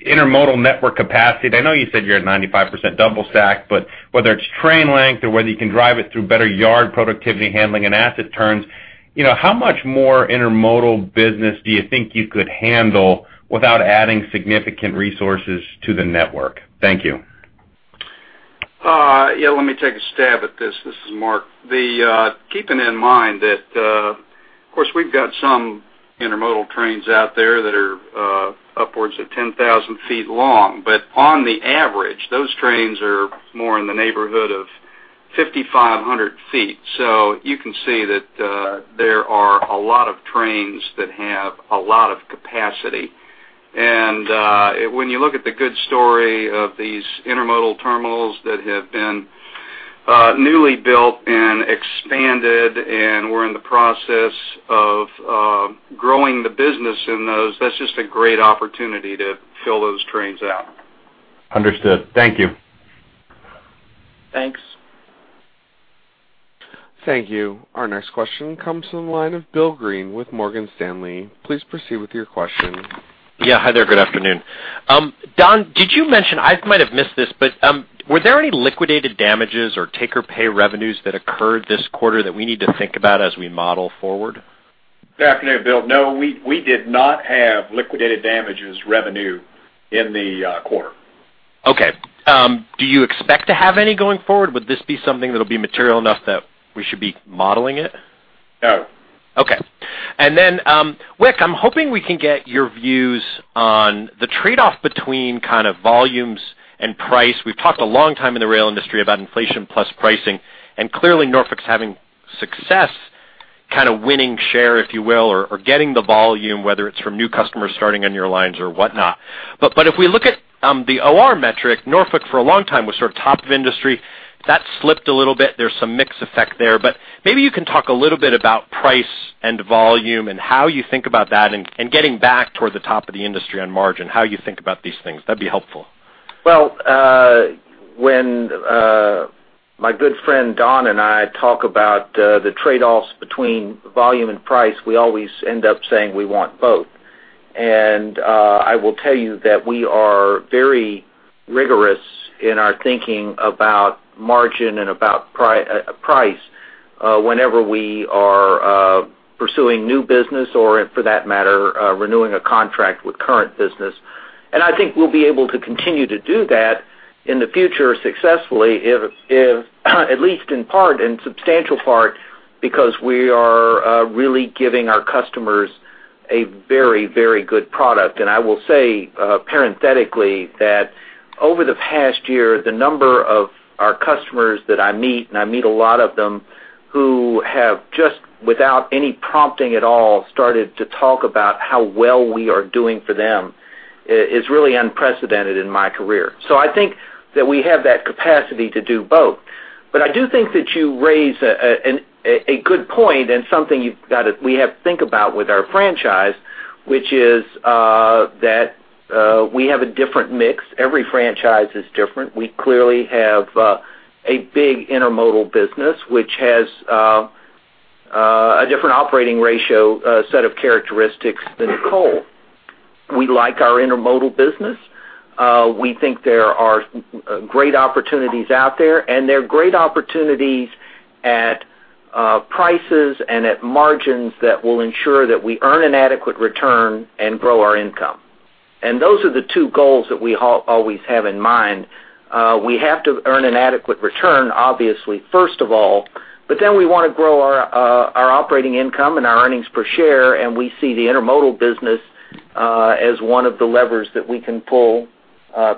intermodal network capacity? I know you said you're at 95% double stack, but whether it's train length or whether you can drive it through better yard productivity, handling and asset turns, you know, how much more intermodal business do you think you could handle without adding significant resources to the network? Thank you. Yeah, let me take a stab at this. This is Mark. The, keeping in mind that, of course, we've got some intermodal trains out there that are, upwards of 10,000 feet long, but on the average, those trains are more in the neighborhood of 5,500 feet. So you can see that, there are a lot of trains that have a lot of capacity. And, when you look at the good story of these intermodal terminals that have been, newly built and expanded, and we're in the process of, growing the business in those, that's just a great opportunity to fill those trains out. Understood. Thank you. Thanks. Thank you. Our next question comes from the line of Bill Greene with Morgan Stanley. Please proceed with your question. Yeah. Hi there. Good afternoon. Don, did you mention, I might have missed this, but, were there any liquidated damages or taker pay revenues that occurred this quarter that we need to think about as we model forward? Good afternoon, Bill. No, we, we did not have liquidated damages revenue in the quarter. Okay, do you expect to have any going forward? Would this be something that'll be material enough that we should be modeling it? No. Okay. Then, Wick, I'm hoping we can get your views on the trade-off between kind of volumes and price. We've talked a long time in the rail industry about inflation plus pricing, and clearly, Norfolk's having success, kind of winning share, if you will, or getting the volume, whether it's from new customers starting on your lines or whatnot. But if we look at the OR metric, Norfolk for a long time was sort of top of industry. That slipped a little bit. There's some mix effect there, but maybe you can talk a little bit about price and volume and how you think about that, and getting back toward the top of the industry on margin, how you think about these things? That'd be helpful. Well, when my good friend Don and I talk about the trade-offs between volume and price, we always end up saying we want both. And I will tell you that we are very rigorous in our thinking about margin and about price whenever we are pursuing new business or, for that matter, renewing a contract with current business. And I think we'll be able to continue to do that in the future successfully, if at least in part, in substantial part, because we are really giving our customers a very, very good product. I will say, parenthetically, that over the past year, the number of our customers that I meet, and I meet a lot of them, who have, just without any prompting at all, started to talk about how well we are doing for them, is really unprecedented in my career. So I think that we have that capacity to do both. But I do think that you raise a good point and something you've got to, we have to think about with our franchise, which is that we have a different mix. Every franchise is different. We clearly have a big intermodal business, which has a different operating ratio, set of characteristics than coal. We like our intermodal business. We think there are great opportunities out there, and they're great opportunities at prices and at margins that will ensure that we earn an adequate return and grow our income. And those are the two goals that we always have in mind. We have to earn an adequate return, obviously, first of all, but then we want to grow our operating income and our earnings per share, and we see the intermodal business as one of the levers that we can pull,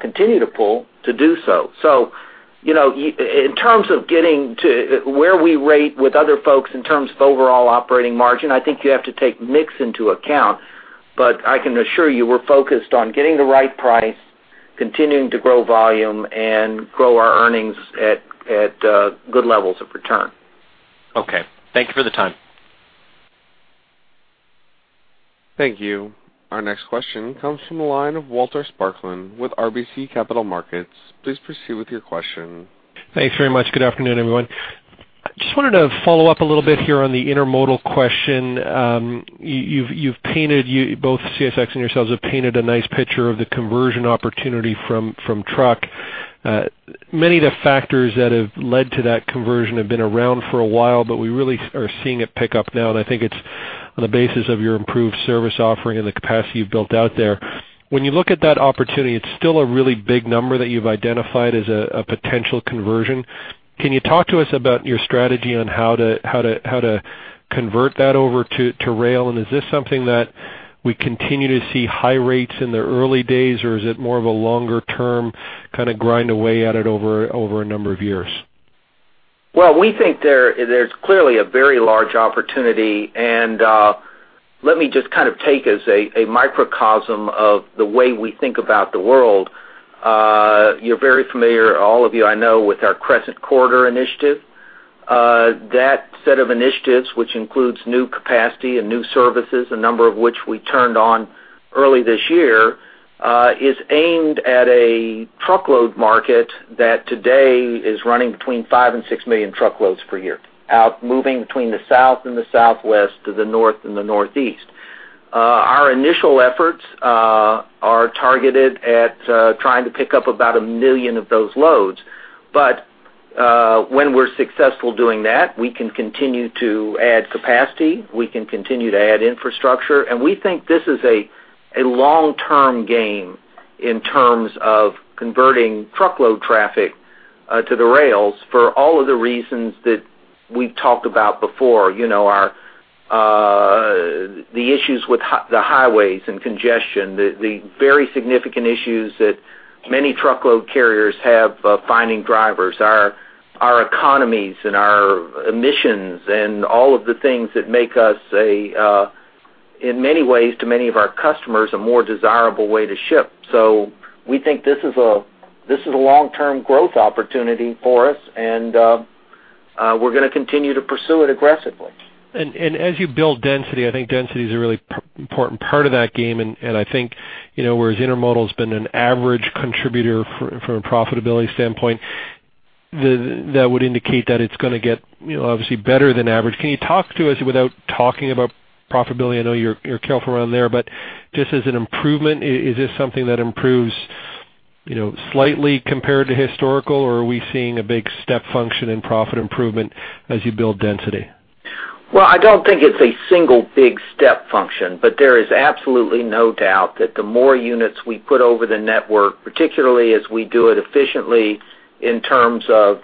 continue to pull to do so. So, you know, in terms of getting to where we rate with other folks in terms of overall operating margin, I think you have to take mix into account. But I can assure you, we're focused on getting the right price, continuing to grow volume, and grow our earnings at good levels of return. Okay. Thank you for the time. Thank you. Our next question comes from the line of Walter Spracklin with RBC Capital Markets. Please proceed with your question. Thanks very much. Good afternoon, everyone. Just wanted to follow up a little bit here on the intermodal question. You've painted, both CSX and yourselves, have painted a nice picture of the conversion opportunity from truck. Many of the factors that have led to that conversion have been around for a while, but we really are seeing it pick up now, and I think it's on the basis of your improved service offering and the capacity you've built out there. When you look at that opportunity, it's still a really big number that you've identified as a potential conversion. Can you talk to us about your strategy on how to convert that over to rail? Is this something that we continue to see high rates in the early days, or is it more of a longer-term, kind of grind away at it over, over a number of years? Well, we think there's clearly a very large opportunity, and let me just kind of take as a microcosm of the way we think about the world. You're very familiar, all of you, I know, with our Crescent Corridor initiative. That set of initiatives, which includes new capacity and new services, a number of which we turned on early this year, is aimed at a truckload market that today is running between 5 and 6 million truckloads per year, out moving between the South and the Southwest to the North and the Northeast. Our initial efforts are targeted at trying to pick up about 1 million of those loads. But when we're successful doing that, we can continue to add capacity, we can continue to add infrastructure, and we think this is a long-term game in terms of converting truckload traffic to the rails for all of the reasons that we've talked about before. You know, our the issues with the highways and congestion, the very significant issues that many truckload carriers have of finding drivers, our economies and our emissions, and all of the things that make us a in many ways, to many of our customers, a more desirable way to ship. So we think this is a long-term growth opportunity for us, and we're gonna continue to pursue it aggressively. As you build density, I think density is a really important part of that game, and I think, you know, whereas intermodal has been an average contributor from a profitability standpoint, that would indicate that it's gonna get, you know, obviously better than average. Can you talk to us without talking about profitability? I know you're careful around there, but just as an improvement, is this something that improves, you know, slightly compared to historical, or are we seeing a big step function in profit improvement as you build density? Well, I don't think it's a single big step function, but there is absolutely no doubt that the more units we put over the network, particularly as we do it efficiently in terms of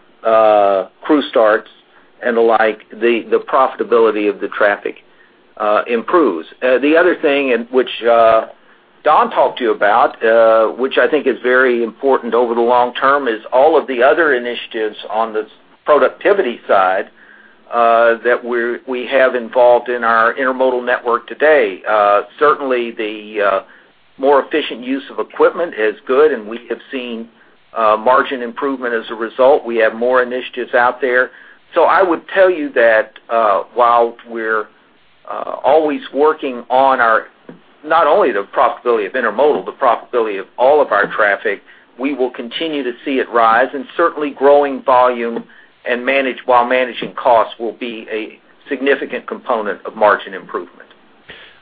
crew starts and the like, the profitability of the traffic improves. The other thing, which Don talked to you about, which I think is very important over the long term, is all of the other initiatives on the productivity side that we have involved in our intermodal network today. Certainly, the more efficient use of equipment is good, and we have seen margin improvement as a result. We have more initiatives out there. So I would tell you that, while we're always working on our... Not only the profitability of intermodal, the profitability of all of our traffic, we will continue to see it rise, and certainly growing volume and managing, while managing costs, will be a significant component of margin improvement.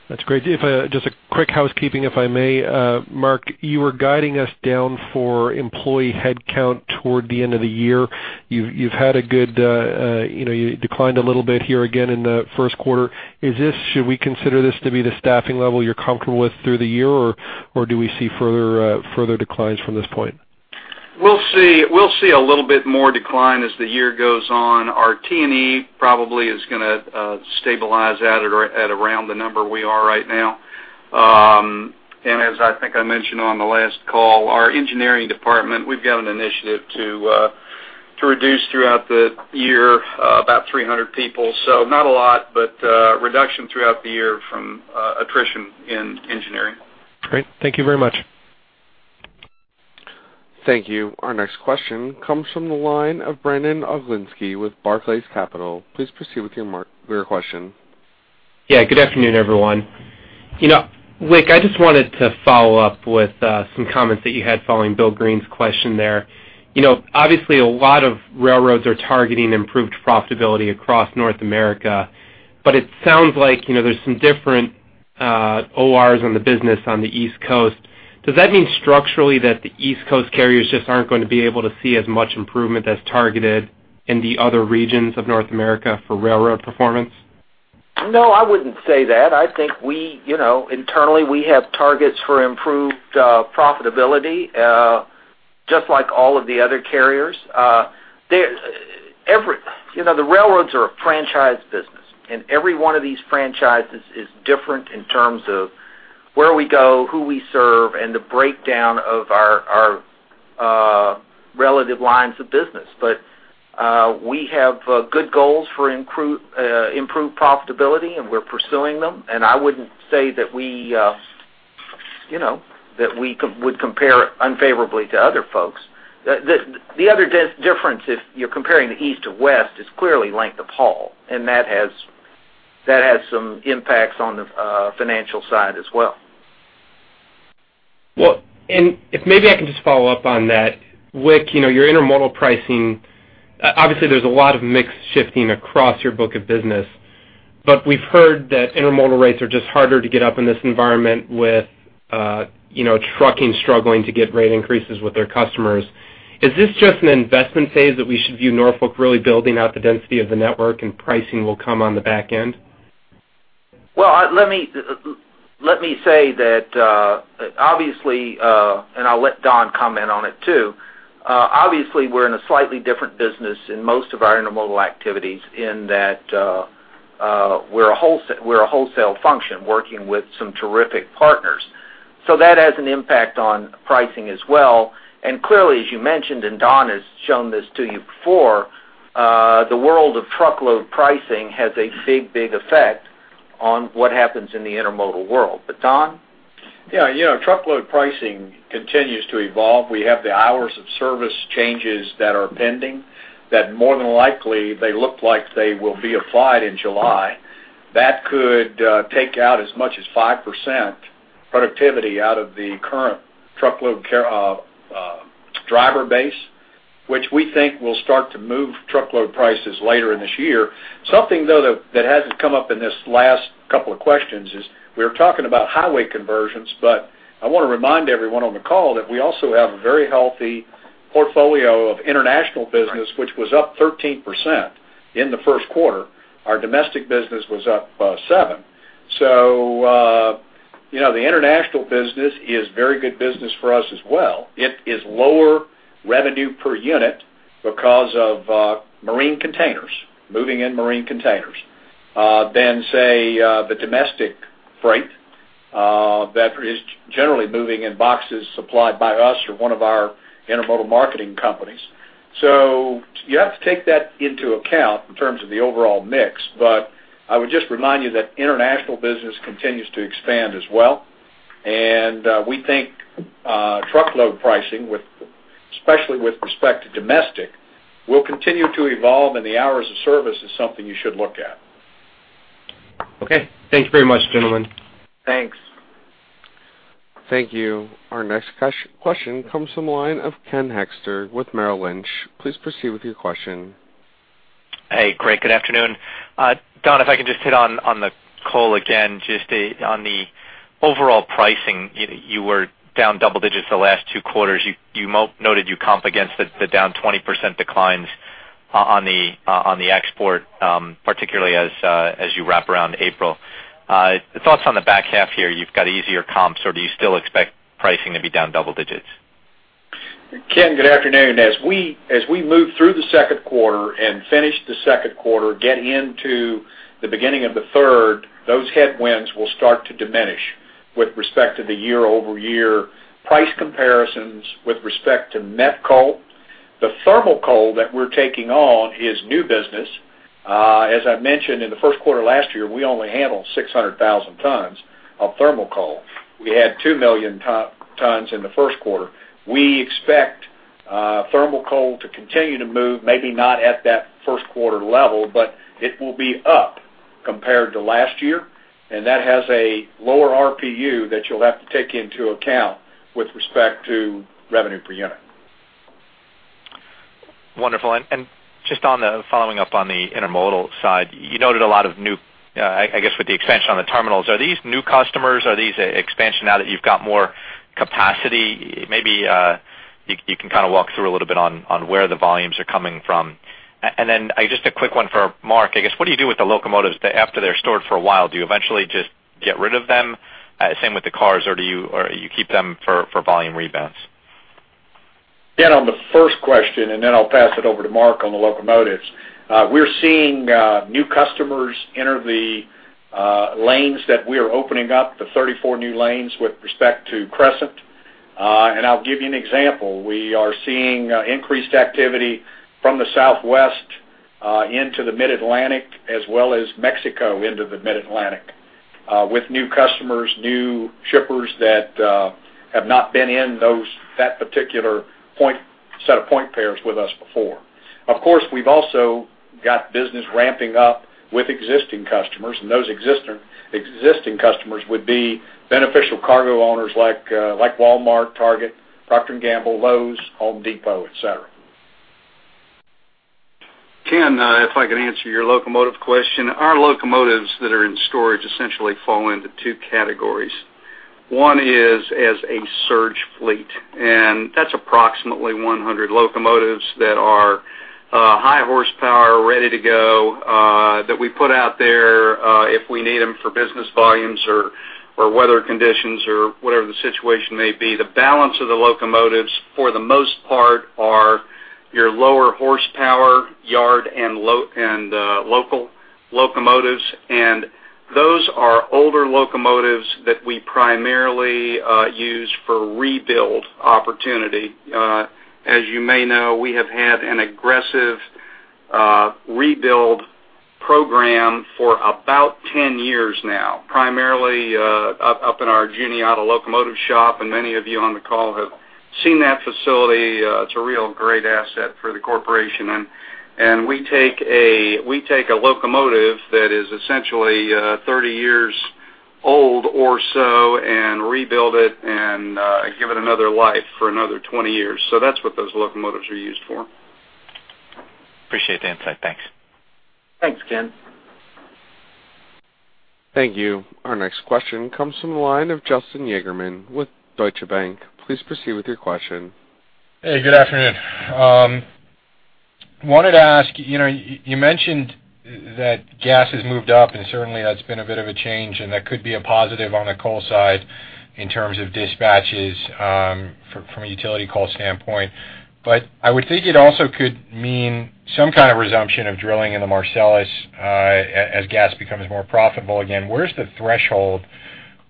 That's great. If just a quick housekeeping, if I may. Mark, you were guiding us down for employee headcount toward the end of the year. You've had a good, you know, you declined a little bit here again in the first quarter. Is this, should we consider this to be the staffing level you're comfortable with through the year, or do we see further declines from this point? We'll see. We'll see a little bit more decline as the year goes on. Our T&E probably is gonna stabilize at, at around the number we are right now. And as I think I mentioned on the last call, our engineering department, we've got an initiative to, to reduce throughout the year, about 300 people. So not a lot, but, reduction throughout the year from, attrition in engineering. Great. Thank you very much. Thank you. Our next question comes from the line of Brandon Oglenski with Barclays Capital. Please proceed with your question. Yeah, good afternoon, everyone. You know, Wick, I just wanted to follow up with some comments that you had following Bill Greene's question there. You know, obviously, a lot of railroads are targeting improved profitability across North America, but it sounds like, you know, there's some different ORs on the business on the East Coast. Does that mean structurally, that the East Coast carriers just aren't going to be able to see as much improvement as targeted in the other regions of North America for railroad performance? No, I wouldn't say that. I think we, you know, internally, we have targets for improved profitability, just like all of the other carriers. You know, the railroads are a franchise business, and every one of these franchises is different in terms of where we go, who we serve, and the breakdown of our relative lines of business. But we have good goals for improved profitability, and we're pursuing them. And I wouldn't say that we, you know, that we would compare unfavorably to other folks. The other difference, if you're comparing the East to West, is clearly length of haul, and that has some impacts on the financial side as well. Well, and if maybe I can just follow up on that. Wick, you know, your intermodal pricing, obviously, there's a lot of mix shifting across your book of business, but we've heard that intermodal rates are just harder to get up in this environment with, you know, trucking struggling to get rate increases with their customers. Is this just an investment phase that we should view Norfolk really building out the density of the network, and pricing will come on the back end? Well, let me, let me say that, obviously, and I'll let Don comment on it, too. Obviously, we're in a slightly different business in most of our intermodal activities in that, we're a wholesale function, working with some terrific partners. So that has an impact on pricing as well. And clearly, as you mentioned, and Don has shown this to you before, the world of truckload pricing has a big, big effect on what happens in the intermodal world. But Don? Yeah, you know, truckload pricing continues to evolve. We have the hours of service changes that are pending, that more than likely, they look like they will be applied in July. That could take out as much as 5% productivity out of the current truckload carrier driver base, which we think will start to move truckload prices later in this year. Something, though, that hasn't come up in this last couple of questions is we're talking about highway conversions, but I want to remind everyone on the call that we also have a very healthy portfolio of international business, which was up 13% in the first quarter. Our domestic business was up 7%. So, you know, the international business is very good business for us as well. It is lower revenue per unit because of marine containers, moving in marine containers, than, say, the domestic freight that is generally moving in boxes supplied by us or one of our intermodal marketing companies. So you have to take that into account in terms of the overall mix, but I would just remind you that international business continues to expand as well. And we think truckload pricing, with, especially with respect to domestic, will continue to evolve, and the hours of service is something you should look at. Okay. Thank you very much, gentlemen. Thanks. Thank you. Our next question comes from the line of Ken Hoexter with Merrill Lynch. Please proceed with your question. Hey, great. Good afternoon. Don, if I can just hit on the coal again, just on the overall pricing, you were down double digits the last two quarters. You noted you comp against the down 20% declines on the export, particularly as you wrap around April. The thoughts on the back half here, you've got easier comps, or do you still expect pricing to be down double digits? Ken, good afternoon. As we, as we move through the second quarter and finish the second quarter, get into the beginning of the third, those headwinds will start to diminish with respect to the year-over-year price comparisons, with respect to met coal. The thermal coal that we're taking on is new business. As I mentioned, in the first quarter of last year, we only handled 600,000 tons of thermal coal. We had 2,000,000 tons in the first quarter. We expect thermal coal to continue to move, maybe not at that first quarter level, but it will be up compared to last year, and that has a lower RPU that you'll have to take into account with respect to revenue per unit. Wonderful. And just on the, following up on the intermodal side, you noted a lot of new, I guess, with the expansion on the terminals, are these new customers? Are these expansion now that you've got more capacity? Maybe, you can kind of walk through a little bit on where the volumes are coming from. And then, just a quick one for Mark. I guess, what do you do with the locomotives after they're stored for a while? Do you eventually just get rid of them, same with the cars, or do you keep them for volume rebounds? Yeah, on the first question, and then I'll pass it over to Mark on the locomotives. We're seeing new customers enter the lanes that we are opening up, the 34 new lanes with respect to Crescent. And I'll give you an example. We are seeing increased activity from the Southwest into the Mid-Atlantic, as well as Mexico into the Mid-Atlantic, with new customers, new shippers that have not been in that particular point, set of point pairs with us before. Of course, we've also got business ramping up with existing customers, and those existing customers would be beneficial cargo owners like Walmart, Target, Procter & Gamble, Lowe's, Home Depot, et cetera. Ken, if I could answer your locomotive question. Our locomotives that are in storage essentially fall into two categories. One is as a surge fleet, and that's approximately 100 locomotives that are high horsepower, ready to go, that we put out-... for business volumes or weather conditions or whatever the situation may be. The balance of the locomotives, for the most part, are your lower horsepower yard and local locomotives. And those are older locomotives that we primarily use for rebuild opportunity. As you may know, we have had an aggressive rebuild program for about 10 years now, primarily up in our Juniata Locomotive Shop, and many of you on the call have seen that facility. It's a real great asset for the corporation. And we take a locomotive that is essentially 30 years old or so, and rebuild it and give it another life for another 20 years. So that's what those locomotives are used for. Appreciate the insight. Thanks. Thanks, Ken. Thank you. Our next question comes from the line of Justin Yagerman with Deutsche Bank. Please proceed with your question. Hey, good afternoon. Wanted to ask, you know, you mentioned that gas has moved up, and certainly that's been a bit of a change, and that could be a positive on the coal side in terms of dispatches, from a utility coal standpoint. But I would think it also could mean some kind of resumption of drilling in the Marcellus, as gas becomes more profitable again. Where's the threshold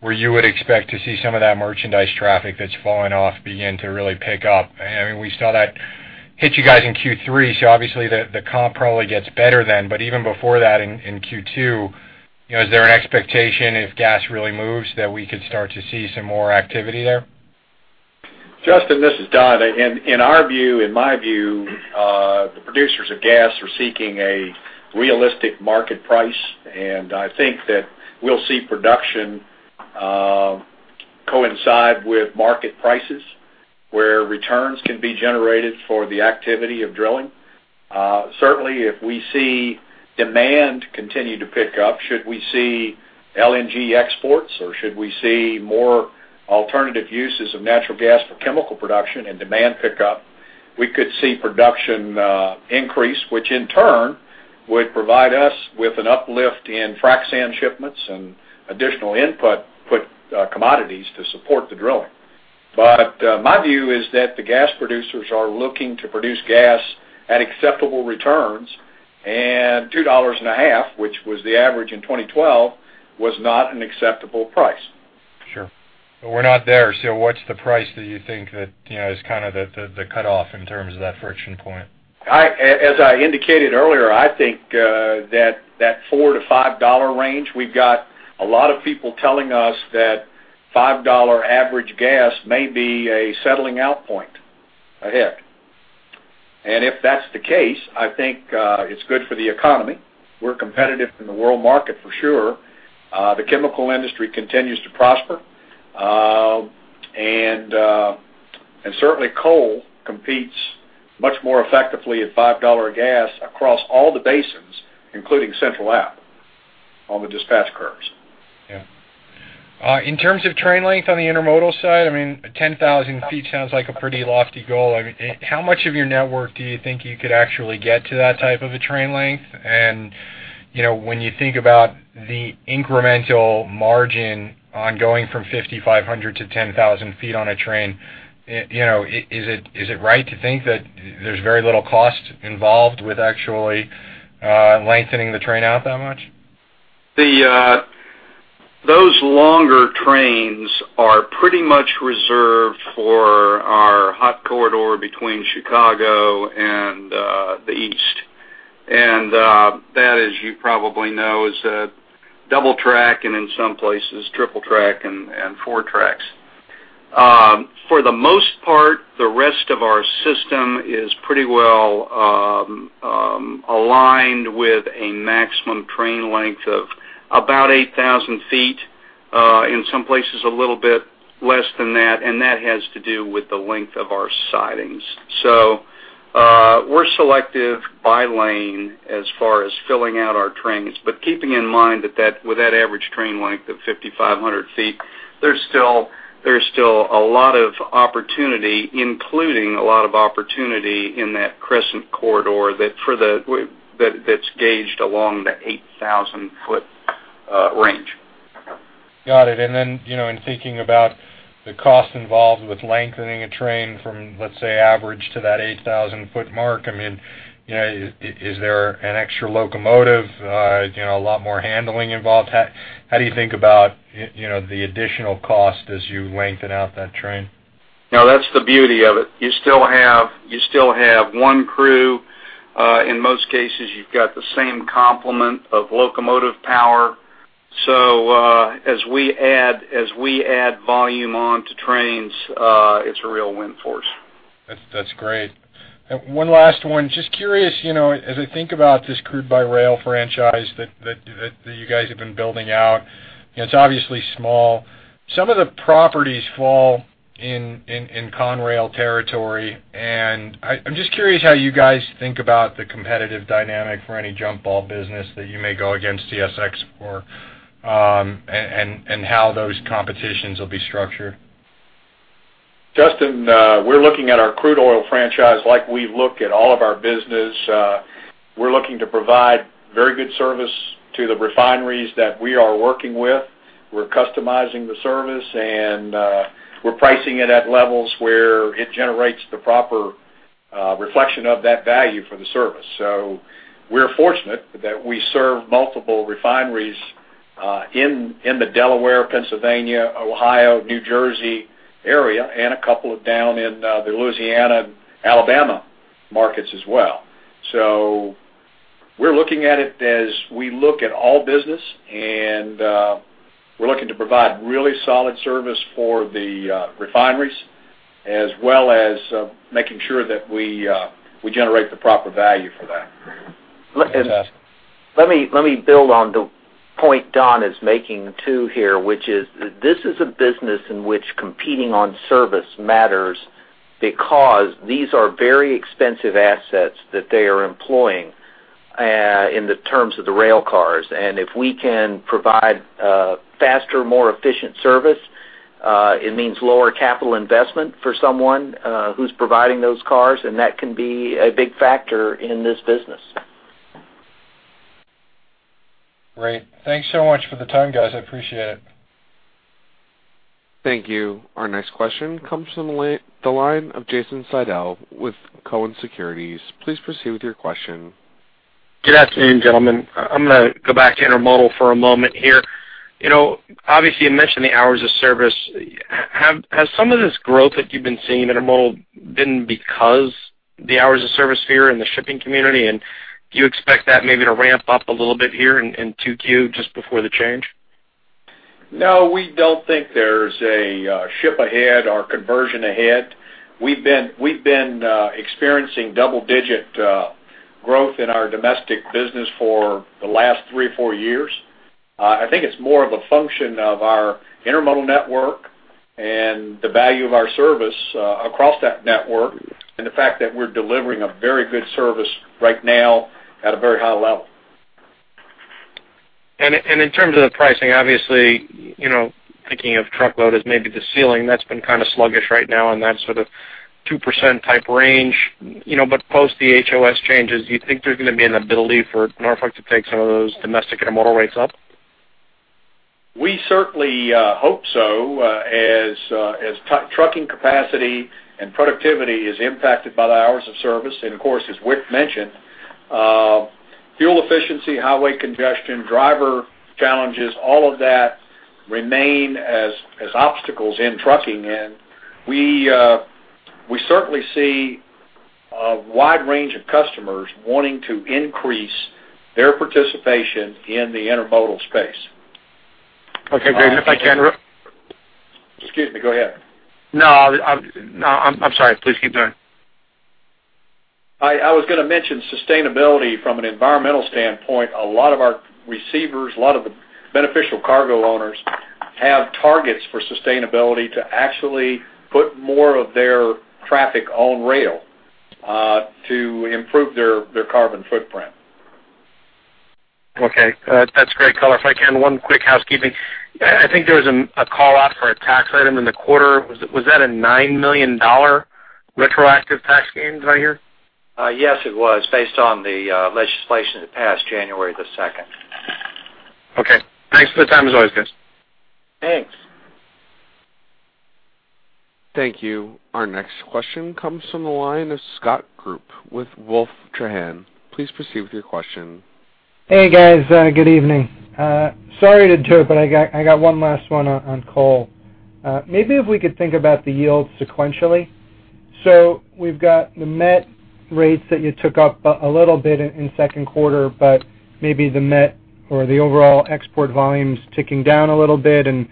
where you would expect to see some of that merchandise traffic that's fallen off begin to really pick up? I mean, we saw that hit you guys in Q3, so obviously, the comp probably gets better then. But even before that, in Q2, you know, is there an expectation, if gas really moves, that we could start to see some more activity there? Justin, this is Don. In our view, in my view, the producers of gas are seeking a realistic market price, and I think that we'll see production coincide with market prices, where returns can be generated for the activity of drilling. Certainly, if we see demand continue to pick up, should we see LNG exports or should we see more alternative uses of natural gas for chemical production and demand pick up, we could see production increase, which in turn would provide us with an uplift in frac sand shipments and additional input, put, commodities to support the drilling. But my view is that the gas producers are looking to produce gas at acceptable returns, and $2.50, which was the average in 2012, was not an acceptable price. Sure. But we're not there, so what's the price that you think that, you know, is kind of the cutoff in terms of that friction point? I, as I indicated earlier, I think, that that $4-$5 range, we've got a lot of people telling us that $5 average gas may be a settling out point ahead. If that's the case, I think, it's good for the economy. We're competitive in the world market for sure. The chemical industry continues to prosper. And certainly, coal competes much more effectively at $5 gas across all the basins, including Central App, on the dispatch curves. Yeah. In terms of train length on the intermodal side, I mean, 10,000 feet sounds like a pretty lofty goal. I mean, how much of your network do you think you could actually get to that type of a train length? And, you know, when you think about the incremental margin on going from 5,500 to 10,000 feet on a train, it, you know, is it, is it right to think that there's very little cost involved with actually lengthening the train out that much? Those longer trains are pretty much reserved for our hot corridor between Chicago and the East. That, as you probably know, is a double track and in some places, triple track and four tracks. For the most part, the rest of our system is pretty well aligned with a maximum train length of about 8,000 feet, in some places a little bit less than that, and that has to do with the length of our sidings. We're selective by lane as far as filling out our trains, but keeping in mind that that, with that average train length of 5,500 feet, there's still, there's still a lot of opportunity, including a lot of opportunity in that Crescent Corridor, that's gauged along the 8,000-foot range. Got it. And then, you know, in thinking about the cost involved with lengthening a train from, let's say, average to that 8,000-foot mark, I mean, you know, is there an extra locomotive, you know, a lot more handling involved? How do you think about, you know, the additional cost as you lengthen out that train? No, that's the beauty of it. You still have one crew. In most cases, you've got the same complement of locomotive power. So, as we add volume onto trains, it's a real win for us. That's great. And one last one. Just curious, you know, as I think about this crude by rail franchise that you guys have been building out, it's obviously small. Some of the properties fall in Conrail territory, and I'm just curious how you guys think about the competitive dynamic for any jump ball business that you may go against CSX for, and how those competitions will be structured? ...Justin, we're looking at our crude oil franchise like we look at all of our business. We're looking to provide very good service to the refineries that we are working with. We're customizing the service, and we're pricing it at levels where it generates the proper reflection of that value for the service. So we're fortunate that we serve multiple refineries in the Delaware, Pennsylvania, Ohio, New Jersey area, and a couple down in the Louisiana and Alabama markets as well. So we're looking at it as we look at all business, and we're looking to provide really solid service for the refineries, as well as making sure that we generate the proper value for that. And let me build on the point Don is making, too, here, which is that this is a business in which competing on service matters because these are very expensive assets that they are employing in the terms of the rail cars. And if we can provide a faster, more efficient service, it means lower capital investment for someone who's providing those cars, and that can be a big factor in this business. Great. Thanks so much for the time, guys. I appreciate it. Thank you. Our next question comes from the line of Jason Seidl with Cowen Securities. Please proceed with your question. Good afternoon, gentlemen. I'm gonna go back to intermodal for a moment here. You know, obviously, you mentioned the hours of service. Has some of this growth that you've been seeing in intermodal been because the hours of service fear in the shipping community? And do you expect that maybe to ramp up a little bit here in 2Q, just before the change? No, we don't think there's a ship ahead or conversion ahead. We've been experiencing double-digit growth in our domestic business for the last three or four years. I think it's more of a function of our intermodal network and the value of our service across that network, and the fact that we're delivering a very good service right now at a very high level. And in terms of the pricing, obviously, you know, thinking of truckload as maybe the ceiling, that's been kind of sluggish right now in that sort of 2% type range. You know, but post the HOS changes, do you think there's going to be an ability for Norfolk to take some of those domestic intermodal rates up? We certainly hope so, as trucking capacity and productivity is impacted by the hours of service. And of course, as Wick mentioned, fuel efficiency, highway congestion, driver challenges, all of that remain as obstacles in trucking. And we certainly see a wide range of customers wanting to increase their participation in the intermodal space. Okay, great. And if I can- Excuse me, go ahead. No, I'm sorry. Please keep going. I was going to mention sustainability from an environmental standpoint. A lot of our receivers, a lot of the beneficial cargo owners, have targets for sustainability to actually put more of their traffic on rail, to improve their carbon footprint. Okay, that's great color. If I can, one quick housekeeping. I think there was a call out for a tax item in the quarter. Was that a $9 million retroactive tax gain, did I hear? Yes, it was, based on the legislation that passed January the 2nd. Okay. Thanks for the time, as always, guys. Thanks. Thank you. Our next question comes from the line of Scott Group with Wolfe Trahan. Please proceed with your question. Hey, guys, good evening. Sorry to interrupt, but I got one last one on coal. Maybe if we could think about the yields sequentially. So we've got the met rates that you took up a little bit in second quarter, but maybe the met or the overall export volumes ticking down a little bit and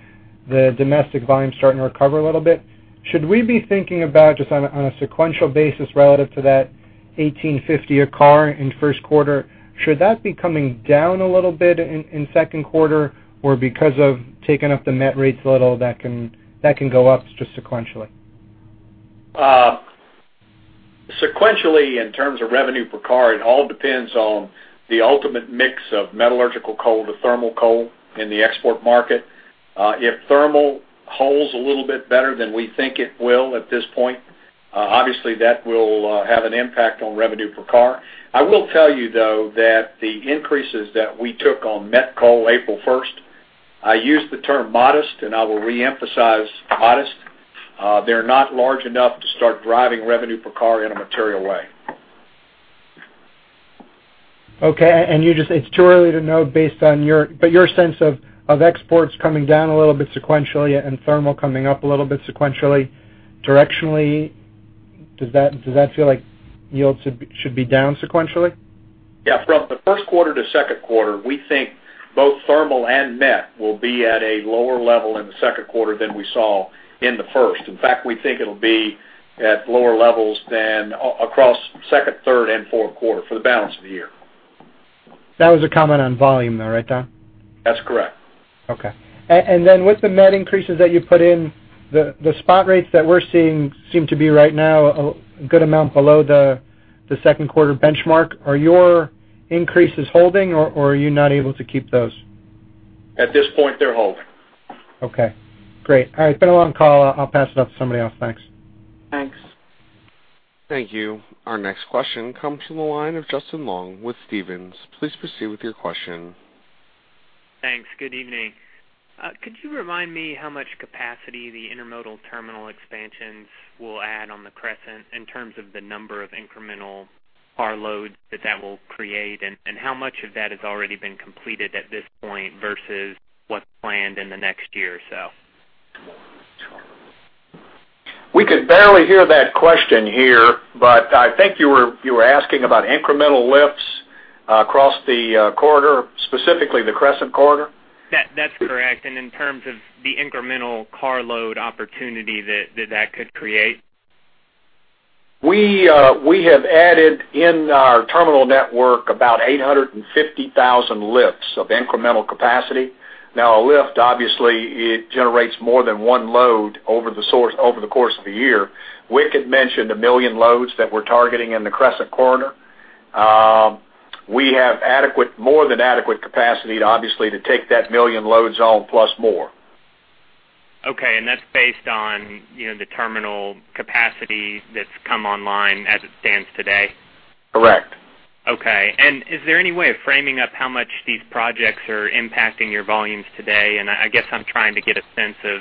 the domestic volumes starting to recover a little bit. Should we be thinking about, just on a sequential basis relative to that $1,850 a car in first quarter, should that be coming down a little bit in second quarter? Or because of taking up the met rates a little, that can go up just sequentially? Sequentially, in terms of revenue per car, it all depends on the ultimate mix of metallurgical coal to thermal coal in the export market. If thermal holds a little bit better than we think it will at this point, obviously, that will have an impact on revenue per car. I will tell you, though, that the increases that we took on met coal April first, I used the term modest, and I will reemphasize modest. They're not large enough to start driving revenue per car in a material way. Okay, and you just—it's too early to know based on your... But your sense of, of exports coming down a little bit sequentially and thermal coming up a little bit sequentially, directionally, does that, does that feel like yields should be, should be down sequentially? Yeah, from the first quarter to second quarter, we think both thermal and met will be at a lower level in the second quarter than we saw in the first. In fact, we think it'll be at lower levels than across second, third, and fourth quarter for the balance of the year. That was a comment on volume, though, right, Don? That's correct. Okay. And then with the met increases that you put in, the spot rates that we're seeing seem to be right now a good amount below the second quarter benchmark. Are your increases holding, or are you not able to keep those?... at this point, they're holding. Okay, great. All right, it's been a long call. I'll pass it off to somebody else. Thanks. Thanks. Thank you. Our next question comes from the line of Justin Long with Stephens. Please proceed with your question. Thanks. Good evening. Could you remind me how much capacity the intermodal terminal expansions will add on the Crescent in terms of the number of incremental car loads that will create? And how much of that has already been completed at this point versus what's planned in the next year or so? We could barely hear that question here, but I think you were, you were asking about incremental lifts across the corridor, specifically the Crescent Corridor? That's correct. And in terms of the incremental carload opportunity that could create. We, we have added in our terminal network about 850,000 lifts of incremental capacity. Now, a lift, obviously, it generates more than one load over the course of a year. Wick had mentioned 1 million loads that we're targeting in the Crescent Corridor. We have adequate, more than adequate capacity to obviously take that 1 million loads on, plus more. Okay, and that's based on, you know, the terminal capacity that's come online as it stands today? Correct. Okay. And is there any way of framing up how much these projects are impacting your volumes today? And I guess I'm trying to get a sense of,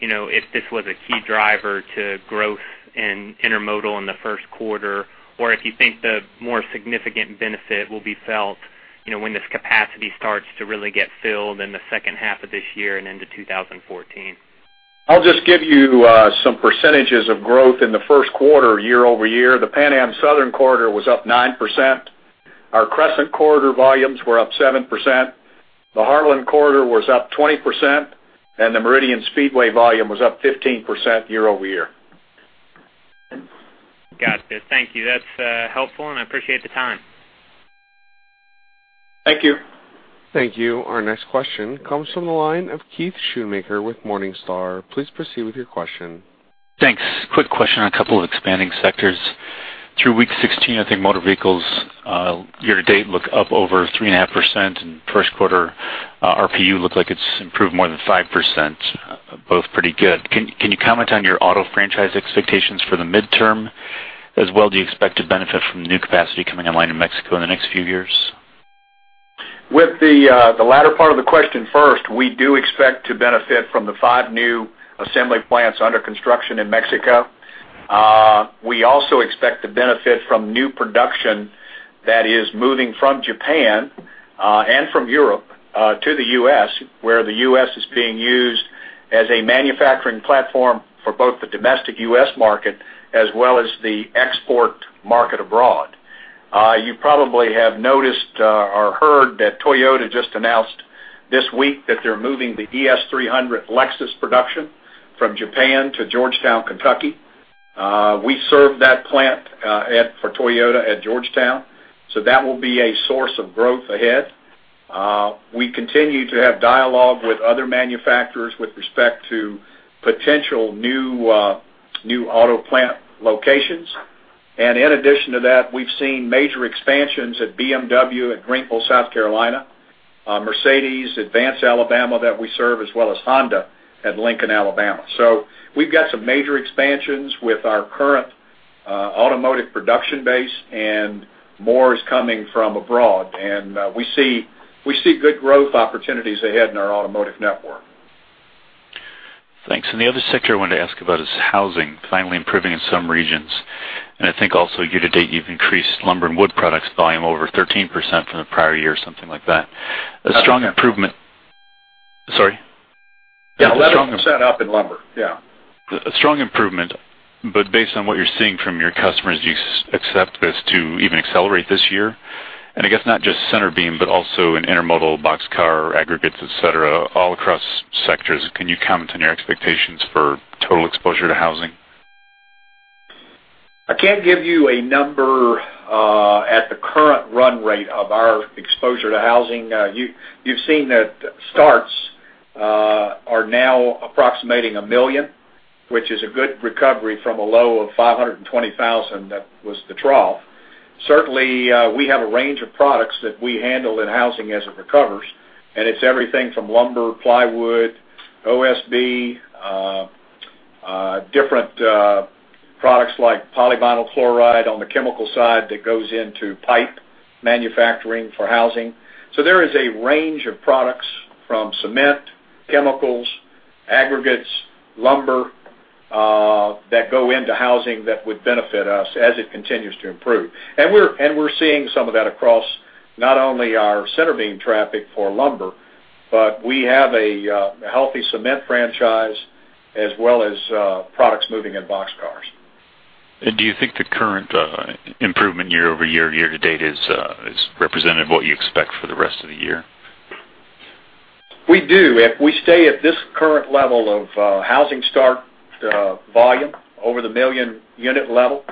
you know, if this was a key driver to growth in intermodal in the first quarter, or if you think the more significant benefit will be felt, you know, when this capacity starts to really get filled in the second half of this year and into 2014. I'll just give you some percentages of growth in the first quarter, year-over-year. The Pan Am Southern Corridor was up 9%. Our Crescent Corridor volumes were up 7%. The Heartland Corridor was up 20%, and the Meridian Speedway volume was up 15% year-over-year. Got it. Thank you. That's helpful, and I appreciate the time. Thank you. Thank you. Our next question comes from the line of Keith Schoonmaker with Morningstar. Please proceed with your question. Thanks. Quick question on a couple of expanding sectors. Through week 16, I think motor vehicles year to date look up over 3.5%, and first quarter RPU looked like it's improved more than 5%, both pretty good. Can you comment on your auto franchise expectations for the midterm? As well, do you expect to benefit from the new capacity coming online in Mexico in the next few years? With the latter part of the question first, we do expect to benefit from the five new assembly plants under construction in Mexico. We also expect to benefit from new production that is moving from Japan and from Europe to the U.S., where the U.S. is being used as a manufacturing platform for both the domestic U.S. market, as well as the export market abroad. You probably have noticed or heard that Toyota just announced this week that they're moving the ES 300 Lexus production from Japan to Georgetown, Kentucky. We serve that plant for Toyota at Georgetown, so that will be a source of growth ahead. We continue to have dialogue with other manufacturers with respect to potential new auto plant locations. In addition to that, we've seen major expansions at BMW at Greenville, South Carolina, Mercedes at Vance, Alabama, that we serve, as well as Honda at Lincoln, Alabama. We've got some major expansions with our current automotive production base, and more is coming from abroad, and we see, we see good growth opportunities ahead in our automotive network. Thanks. And the other sector I wanted to ask about is housing, finally improving in some regions. And I think also, year to date, you've increased lumber and wood products volume over 13% from the prior year, something like that. A strong improvement. Sorry? Yeah, 11% up in lumber. Yeah. A strong improvement, but based on what you're seeing from your customers, do you expect this to even accelerate this year? And I guess not just center beam, but also in intermodal box car, aggregates, et cetera, all across sectors. Can you comment on your expectations for total exposure to housing? I can't give you a number at the current run rate of our exposure to housing. You've seen that starts are now approximating 1 million, which is a good recovery from a low of 520,000. That was the trough. Certainly, we have a range of products that we handle in housing as it recovers, and it's everything from lumber, plywood, OSB, different products like polyvinyl chloride on the chemical side that goes into pipe manufacturing for housing. So there is a range of products from cement, chemicals, aggregates, lumber that go into housing that would benefit us as it continues to improve. And we're seeing some of that across not only our Center beam traffic for lumber, but we have a healthy cement franchise as well as products moving in boxcars. Do you think the current improvement year over year, year to date, is representative of what you expect for the rest of the year? We do. If we stay at this current level of housing start volume over the 1 million unit level,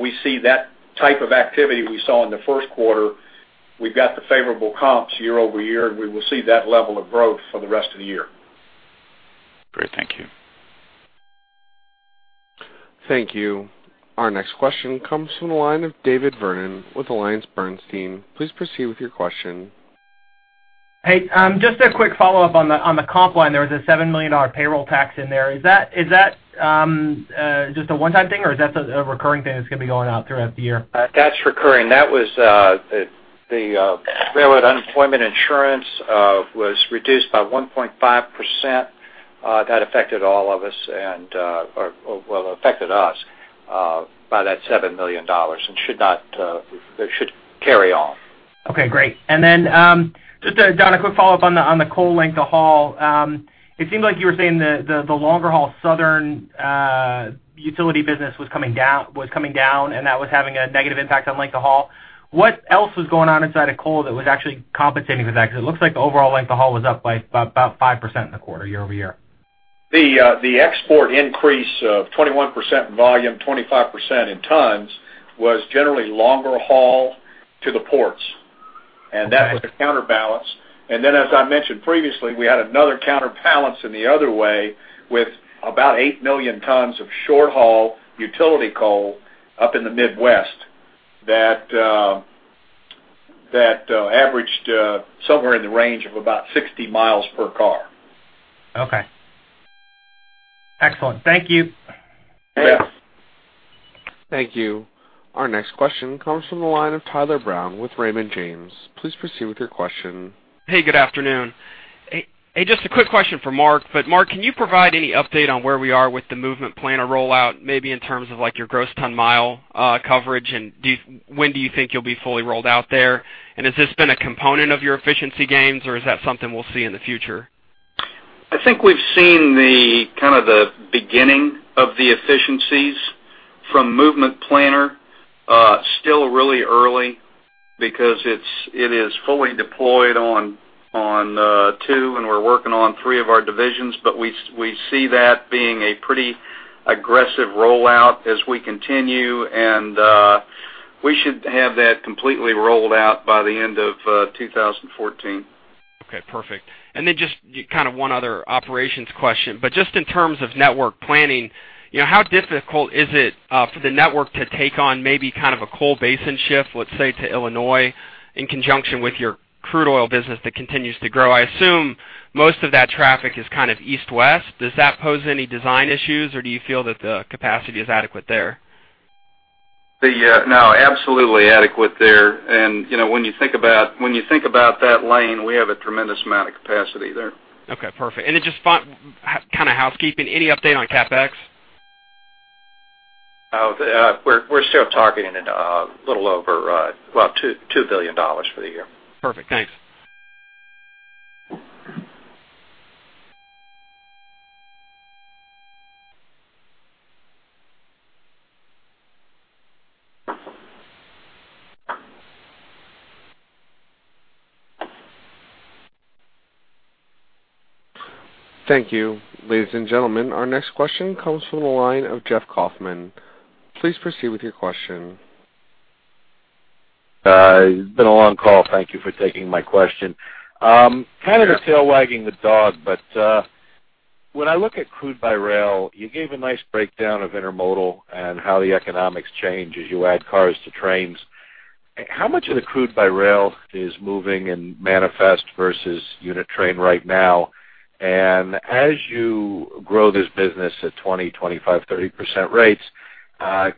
we see that type of activity we saw in the first quarter. We've got the favorable comps year-over-year, and we will see that level of growth for the rest of the year. Thank you. Our next question comes from the line of David Vernon with AllianceBernstein. Please proceed with your question. Hey, just a quick follow-up on the comp line. There was a $7 million payroll tax in there. Is that just a one-time thing, or is that a recurring thing that's gonna be going on throughout the year? That's recurring. That was the railroad unemployment insurance was reduced by 1.5%. That affected all of us and, or, well, affected us by that $7 million and should not, it should carry on. Okay, great. And then, just, Don, a quick follow-up on the coal length of haul. It seemed like you were saying the longer haul southern utility business was coming down, and that was having a negative impact on length of haul. What else was going on inside of coal that was actually compensating for that? Because it looks like the overall length of haul was up by about 5% in the quarter, year-over-year. The export increase of 21% volume, 25% in tons, was generally longer haul to the ports. Okay. That was a counterbalance. Then, as I mentioned previously, we had another counterbalance in the other way, with about 8 million tons of short-haul utility coal up in the Midwest, that averaged somewhere in the range of about 60 miles per car. Okay. Excellent. Thank you. Yes. Thank you. Our next question comes from the line of Tyler Brown with Raymond James. Please proceed with your question. Hey, good afternoon. Hey, just a quick question for Mark. But Mark, can you provide any update on where we are with the Movement Planner rollout, maybe in terms of, like, your gross ton mile coverage, and when do you think you'll be fully rolled out there? And has this been a component of your efficiency gains, or is that something we'll see in the future? I think we've seen the kind of the beginning of the efficiencies from Movement Planner. Still really early, because it is fully deployed on 2, and we're working on 3 of our divisions, but we see that being a pretty aggressive rollout as we continue and, we should have that completely rolled out by the end of 2014. Okay, perfect. And then just kind of one other operations question. Just in terms of network planning, you know, how difficult is it for the network to take on maybe kind of a coal basin shift, let's say, to Illinois, in conjunction with your crude oil business that continues to grow? I assume most of that traffic is kind of east-west. Does that pose any design issues, or do you feel that the capacity is adequate there? No, absolutely adequate there. And, you know, when you think about, when you think about that lane, we have a tremendous amount of capacity there. Okay, perfect. And then just kind of housekeeping, any update on CapEx? We're still targeting it a little over, well, $2 billion for the year. Perfect. Thanks. Thank you. Ladies and gentlemen, our next question comes from the line of Jeff Kauffman. Please proceed with your question. It's been a long call. Thank you for taking my question. Kind of the tail wagging the dog, but when I look at crude by rail, you gave a nice breakdown of intermodal and how the economics change as you add cars to trains. How much of the crude by rail is moving in manifest versus unit train right now? And as you grow this business at 20, 25, 30% rates,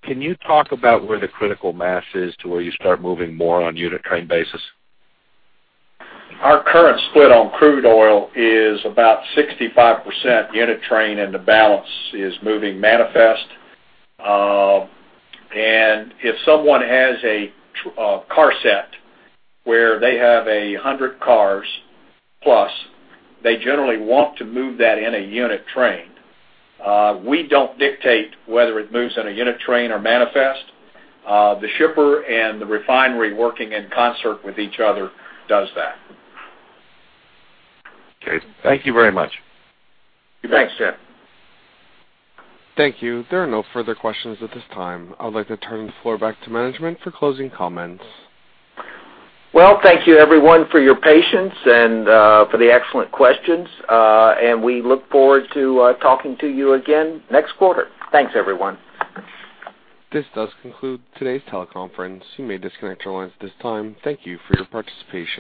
can you talk about where the critical mass is to where you start moving more on a unit train basis? Our current split on crude oil is about 65% unit train, and the balance is moving manifest. And if someone has a car set where they have 100 cars plus, they generally want to move that in a unit train. We don't dictate whether it moves in a unit train or manifest. The shipper and the refinery working in concert with each other does that. Okay. Thank you very much. Thanks, Jeff. Thank you. There are no further questions at this time. I'd like to turn the floor back to management for closing comments. Well, thank you, everyone, for your patience and for the excellent questions. And we look forward to talking to you again next quarter. Thanks, everyone. This does conclude today's teleconference. You may disconnect your lines at this time. Thank you for your participation.